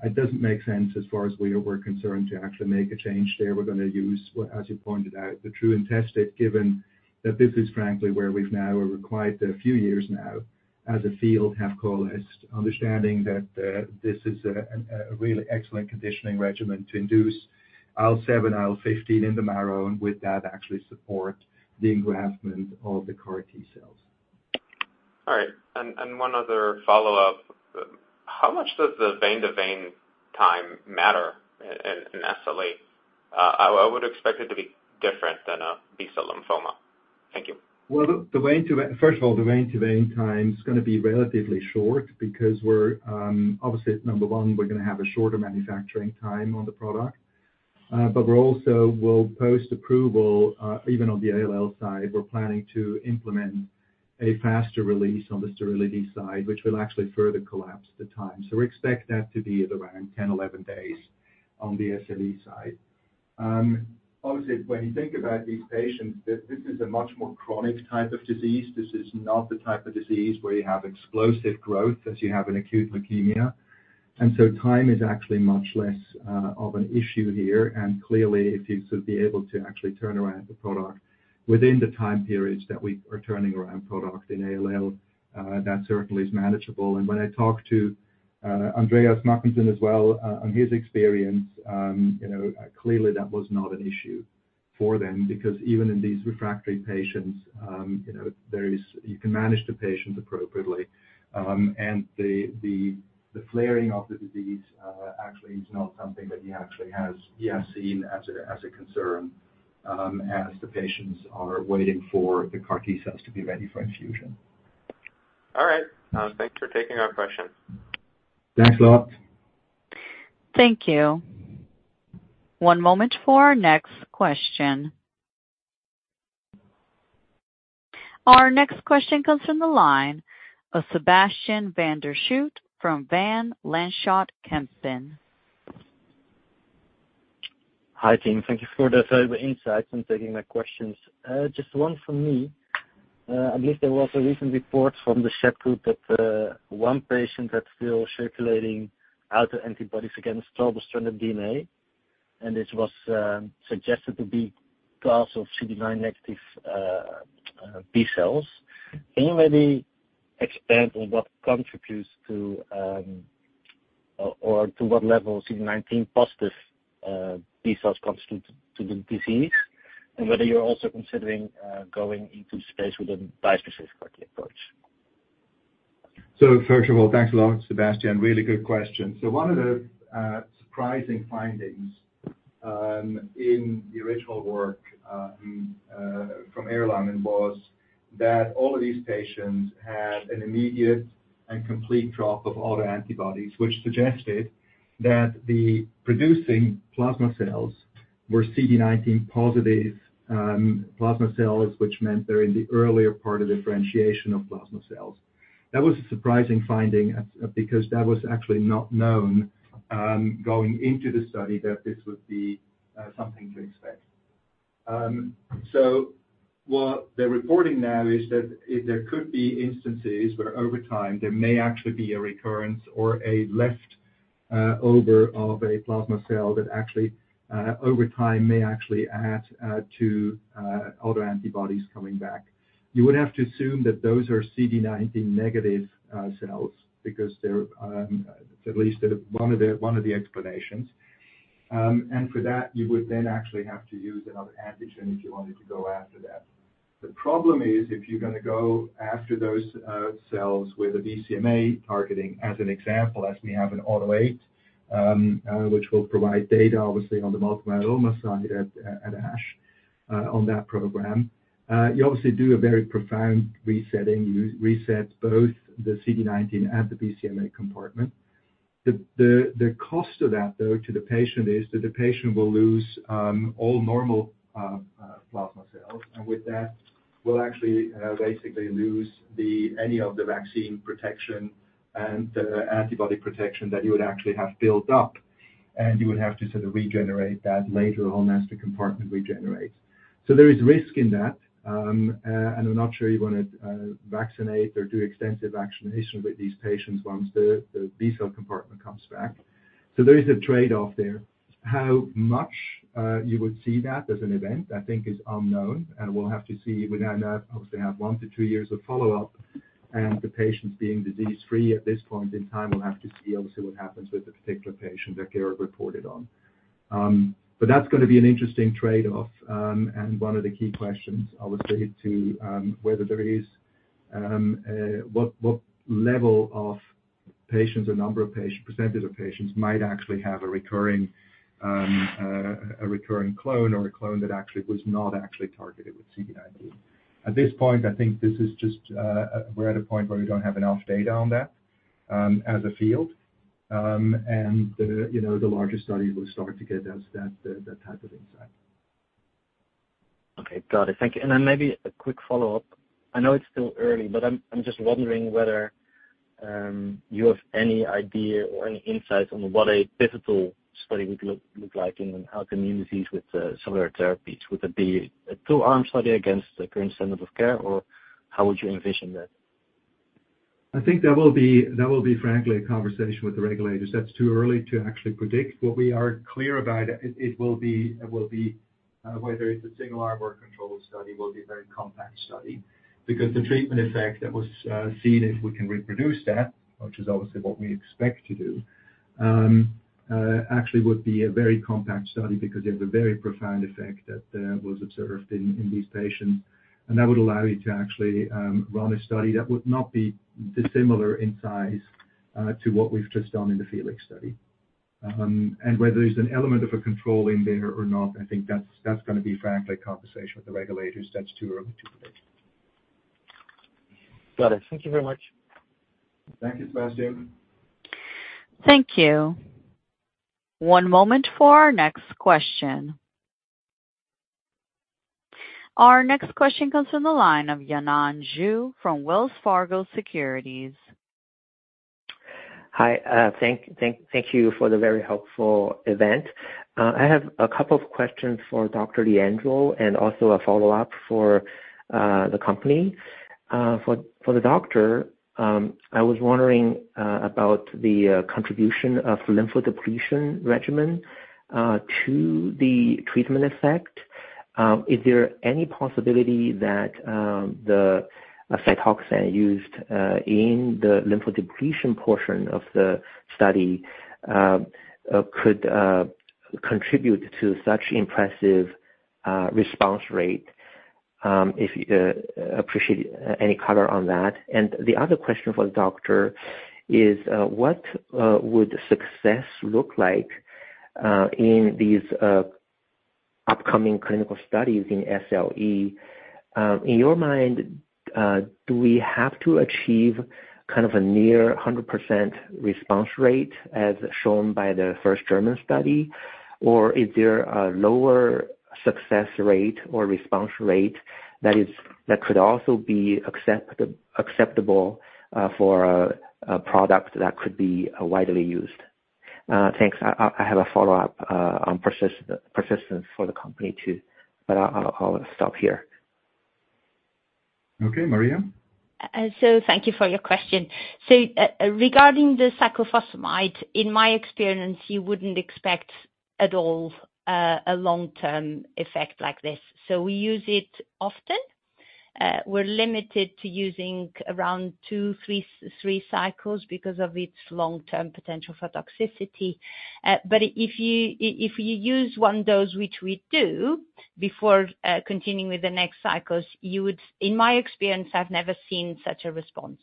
It doesn't make sense as far as we are concerned, to actually make a change there. We're gonna use, as you pointed out, the true and tested, given that this is frankly where we've now, over quite a few years now, as a field, have coalesced, understanding that this is a really excellent conditioning regimen to induce IL-7, IL-15 in the marrow, and with that, actually support the engraftment of the CAR T-cells. All right. And one other follow-up. How much does the vein-to-vein time matter in SLE? I would expect it to be different than a B-cell lymphoma. Thank you. Well, first of all, the vein-to-vein time is gonna be relatively short because we're obviously, number one, we're gonna have a shorter manufacturing time on the product. But we're also will post approval, even on the ALL side, we're planning to implement a faster release on the sterility side, which will actually further collapse the time. So we expect that to be at around 10, 11 days on the SLE side. Obviously, when you think about these patients, this is a much more chronic type of disease. This is not the type of disease where you have explosive growth as you have in acute leukemia, and so time is actually much less of an issue here. And clearly, if you sort of be able to actually turn around the product within the time periods that we are turning around products in ALL, that certainly is manageable. And when I talk to Andreas Mackensen as well, on his experience, you know, clearly that was not an issue for them because even in these refractory patients, you know, there is... You can manage the patients appropriately. And the flaring of the disease, actually is not something that he actually has seen as a concern, as the patients are waiting for the CAR T-cells to be ready for infusion. All right. Thank you for taking our question. Thanks a lot. Thank you. One moment for our next question. Our next question comes from the line of Sebastiaan van der Schoot from Van Lanschot Kempen. Hi, team. Thank you for the valuable insights and taking my questions. Just one from me. I believe there was a recent report from the Schett group that one patient had still circulating autoantibodies against double-stranded DNA, and this was suggested to be cause of CD19 negative B cells. Can you maybe expand on what contributes to, or, or to what level CD19 positive B cells constitute to the disease? And whether you're also considering going into space with a bispecific CAR-T approach. So first of all, thanks a lot, Sebastian. Really good question. So one of the surprising findings in the original work from Erlangen was that all of these patients had an immediate and complete drop of autoantibodies, which suggested that the producing plasma cells were CD19 positive plasma cells, which meant they're in the earlier part of differentiation of plasma cells. That was a surprising finding because that was actually not known going into the study, that this would be something to expect. So what they're reporting now is that there could be instances where over time, there may actually be a recurrence or a leftover of a plasma cell that actually over time may actually add to autoantibodies coming back. You would have to assume that those are CD19 negative cells because they're at least one of the explanations. And for that, you would then actually have to use another antigen if you wanted to go after that. The problem is, if you're gonna go after those cells with a BCMA targeting, as an example, as we have in AUTO8, which will provide data, obviously, on the multiple myeloma side at ASH, on that program. You obviously do a very profound resetting. You reset both the CD19 and the BCMA compartment. The cost of that, though, to the patient, is that the patient will lose all normal plasma cells, and with that, will actually basically lose any of the vaccine protection and the antibody protection that you would actually have built up, and you would have to sort of regenerate that later on as the compartment regenerates. So there is risk in that. And I'm not sure you want to vaccinate or do extensive vaccination with these patients once the B-cell compartment comes back. So there is a trade-off there. How much you would see that as an event, I think, is unknown, and we'll have to see. We now obviously have 1-2 years of follow-up, and the patients being disease-free at this point in time, we'll have to see, obviously, what happens with the particular patient that Garrett reported on. But that's going to be an interesting trade-off, and one of the key questions, obviously, to whether there is what level of patients or number of patients, percentage of patients, might actually have a recurring, a recurring clone or a clone that actually was not actually targeted with CD19. At this point, I think this is just we're at a point where we don't have enough data on that as a field. And the, you know, the larger study will start to get us that type of insight. Okay, got it. Thank you. And then maybe a quick follow-up. I know it's still early, but I'm just wondering whether you have any idea or any insight on what a pivotal study would look like in our communities with similar therapies. Would it be a two-arm study against the current standard of care, or how would you envision that? I think that will be, frankly, a conversation with the regulators. That's too early to actually predict. What we are clear about, whether it's a single arm or a controlled study, will be a very compact study. Because the treatment effect that was seen, if we can reproduce that, which is obviously what we expect to do, actually would be a very compact study because you have a very profound effect that was observed in these patients. And that would allow you to actually run a study that would not be dissimilar in size to what we've just done in the FELIX study. And whether there's an element of a control in there or not, I think that's gonna be, frankly, a conversation with the regulators. That's too early to predict. Got it. Thank you very much. Thank you, Sebastian. Thank you. One moment for our next question. Our next question comes from the line of Yanan Zhu from Wells Fargo Securities. Hi, thank you for the very helpful event. I have a couple of questions for Dr. Leandro and also a follow-up for the company. For the doctor, I was wondering about the contribution of lymphodepletion regimen to the treatment effect. Is there any possibility that the Cytoxan used in the lymphodepletion portion of the study could contribute to such impressive response rate? If, appreciate any color on that. The other question for the doctor is, what would success look like in these upcoming clinical studies in SLE? In your mind, do we have to achieve kind of a near 100% response rate, as shown by the first German study, or is there a lower success rate or response rate that could also be acceptable, for a product that could be widely used? Thanks. I have a follow-up on persistence for the company, too, but I'll stop here. Okay, Maria? So thank you for your question. So, regarding the cyclophosphamide, in my experience, you wouldn't expect at all, a long-term effect like this. So we use it often. We're limited to using around two, three, three cycles because of its long-term potential for toxicity. But if you, if you use one dose, which we do, before continuing with the next cycles, you would... In my experience, I've never seen such a response....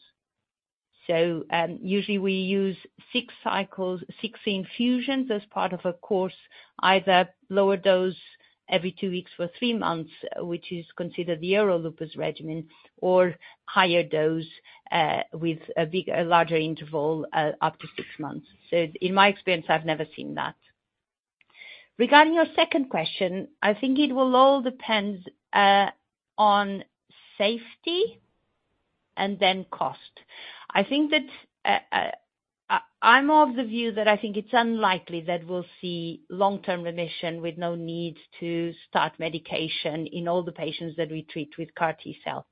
So, usually we use six cycles, six infusions as part of a course, either lower dose every two weeks for three months, which is considered the Euro-Lupus regimen, or higher dose, with a big, a larger interval, up to six months. So in my experience, I've never seen that. Regarding your second question, I think it will all depend on safety and then cost. I think that, I'm of the view that I think it's unlikely that we'll see long-term remission with no need to start medication in all the patients that we treat with CAR T-cell.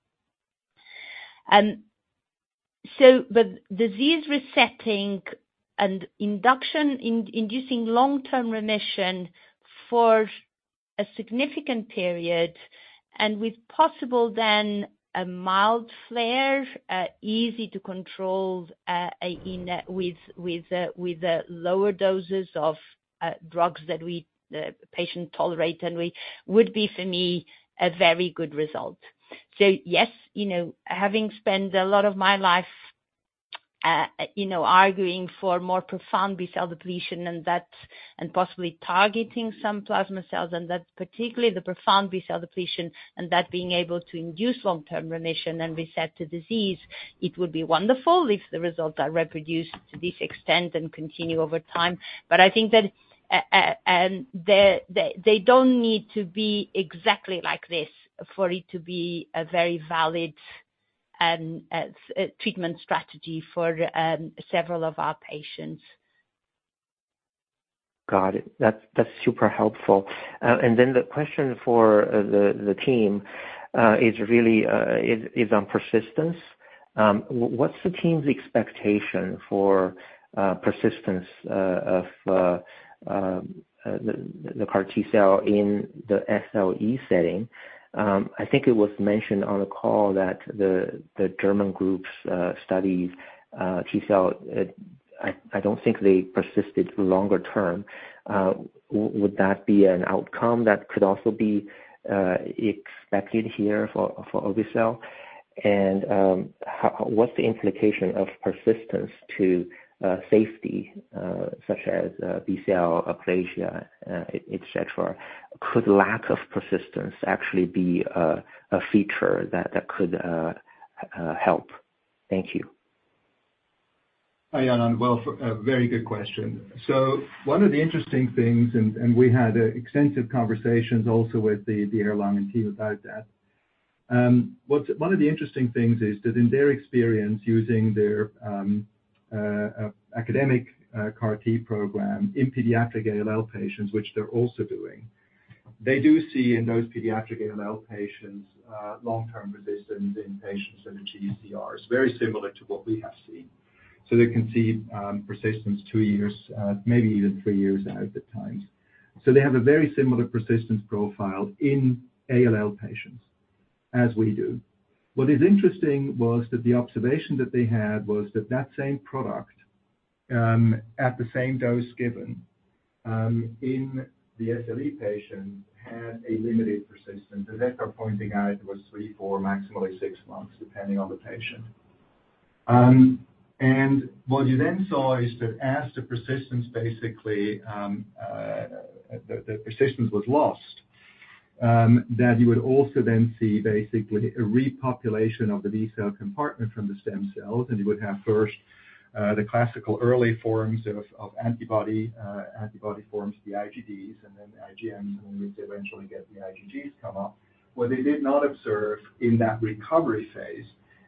So the disease resetting and induction, inducing long-term remission for a significant period and with possible then a mild flare, easy to control, with lower doses of drugs that we, the patient tolerate and we, would be, for me, a very good result. So yes, you know, having spent a lot of my life, you know, arguing for more profound B-cell depletion and that, and possibly targeting some plasma cells, and that's particularly the profound B-cell depletion, and that being able to induce long-term remission and reset the disease, it would be wonderful if the results are reproduced to this extent and continue over time. But I think that, they don't need to be exactly like this for it to be a very valid, treatment strategy for, several of our patients. Got it. That's, that's super helpful. And then the question for the team is really on persistence. What's the team's expectation for persistence of the CAR T-cell in the SLE setting? I think it was mentioned on the call that the German group's studies T-cell I don't think they persisted longer term. Would that be an outcome that could also be expected here for obe-cel? And what's the implication of persistence to safety, such as B-cell aplasia, et cetera? Could lack of persistence actually be a feature that could help? Thank you. Hi, Yanan. Well, a very good question. So one of the interesting things, and we had extensive conversations also with the Erlangen team about that. One of the interesting things is that in their experience using their academic CAR T program in pediatric ALL patients, which they're also doing, they do see in those pediatric ALL patients long-term resistance in patients that achieve CRs, very similar to what we have seen. So they can see persistence 2 years, maybe even 3 years out at times. So they have a very similar persistence profile in ALL patients as we do. What is interesting was that the observation that they had was that that same product, at the same dose given, in the SLE patient, had a limited persistence. As they are pointing out, it was 3, 4, maximally 6 months, depending on the patient. And what you then saw is that as the persistence basically was lost, that you would also then see basically a repopulation of the B-cell compartment from the stem cells, and you would have first the classical early forms of antibody forms, the IgDs, and then IgMs, and we eventually get the IgGs come up. What they did not observe in that recovery phase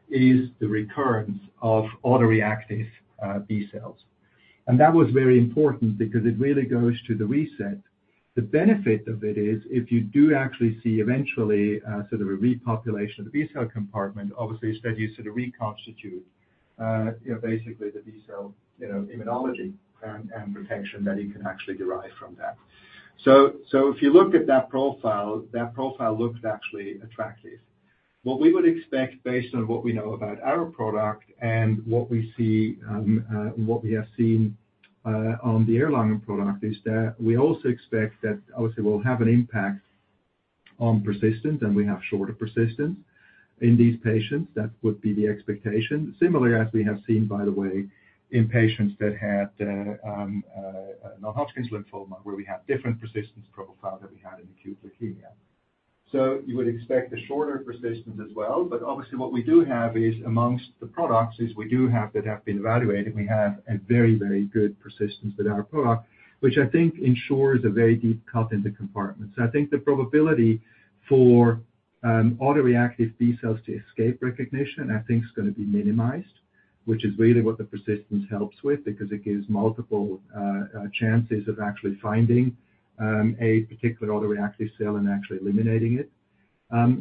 is the recurrence of autoreactive B cells. That was very important because it really goes to the reset. The benefit of it is, if you do actually see eventually, sort of a repopulation of the B-cell compartment, obviously, it's then you sort of reconstitute, you know, basically the B-cell, you know, immunology and, and protection that you can actually derive from that. So, if you look at that profile, that profile looks actually attractive. What we would expect based on what we know about our product and what we see, what we have seen, on the Erlangen product, is that we also expect that obviously we'll have an impact on persistence, and we have shorter persistence in these patients. That would be the expectation. Similarly, as we have seen, by the way, in patients that had non-Hodgkin's lymphoma, where we have different persistence profile than we had in acute leukemia. So you would expect a shorter persistence as well, but obviously what we do have is amongst the products, is we do have that have been evaluated, we have a very, very good persistence with our product, which I think ensures a very deep cut in the compartment. So I think the probability for autoreactive B cells to escape recognition, I think is going to be minimized, which is really what the persistence helps with, because it gives multiple chances of actually finding a particular autoreactive cell and actually eliminating it.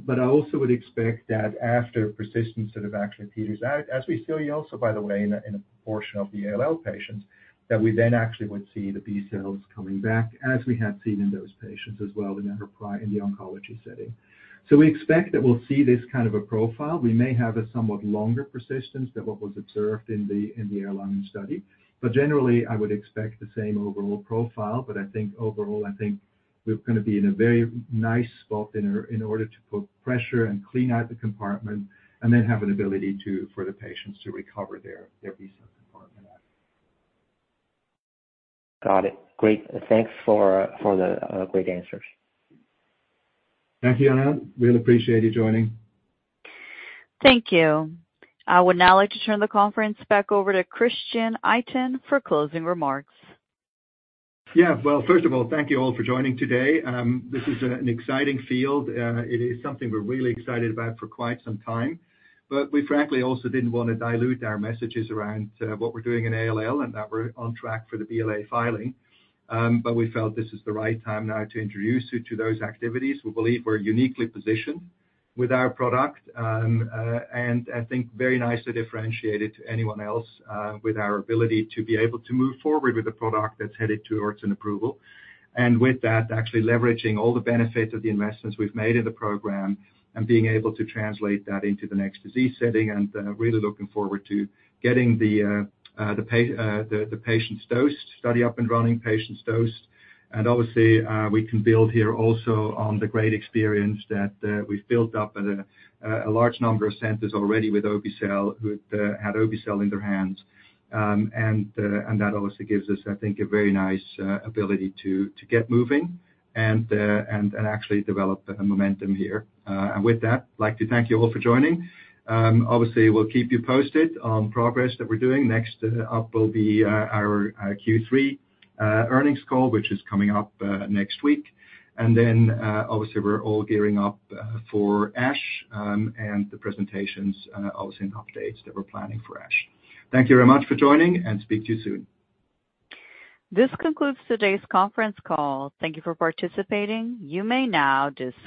But I also would expect that after persistence sort of actually peters out, as we still see also, by the way, in a portion of the ALL patients, that we then actually would see the B cells coming back, as we have seen in those patients as well in our prior in the oncology setting. So we expect that we'll see this kind of a profile. We may have a somewhat longer persistence than what was observed in the Erlangen study, but generally, I would expect the same overall profile. But I think overall, I think we're going to be in a very nice spot in order to put pressure and clean out the compartment, and then have an ability to, for the patients to recover their B cells.... Got it. Great. Thanks for the great answers. Thank you, Anant. Really appreciate you joining. Thank you. I would now like to turn the conference back over to Christian Itin for closing remarks. Yeah. Well, first of all, thank you all for joining today. This is an exciting field. It is something we're really excited about for quite some time, but we frankly also didn't want to dilute our messages around what we're doing in ALL, and that we're on track for the BLA filing. But we felt this is the right time now to introduce you to those activities. We believe we're uniquely positioned with our product, and I think very nicely differentiated to anyone else, with our ability to be able to move forward with a product that's headed towards an approval. And with that, actually leveraging all the benefits of the investments we've made in the program and being able to translate that into the next disease setting, and really looking forward to getting the patients dosed, study up and running, patients dosed. And obviously, we can build here also on the great experience that we've built up at a large number of centers already with Obe-cel, who had Obe-cel in their hands. And that also gives us, I think, a very nice ability to get moving and actually develop a momentum here. And with that, I'd like to thank you all for joining. Obviously, we'll keep you posted on progress that we're doing. Next, up will be our Q3 Earnings Call, which is coming up next week. And then, obviously, we're all gearing up for ASH, and the presentations, obviously, and updates that we're planning for ASH. Thank you very much for joining, and speak to you soon. This concludes today's conference call. Thank you for participating. You may now disconnect.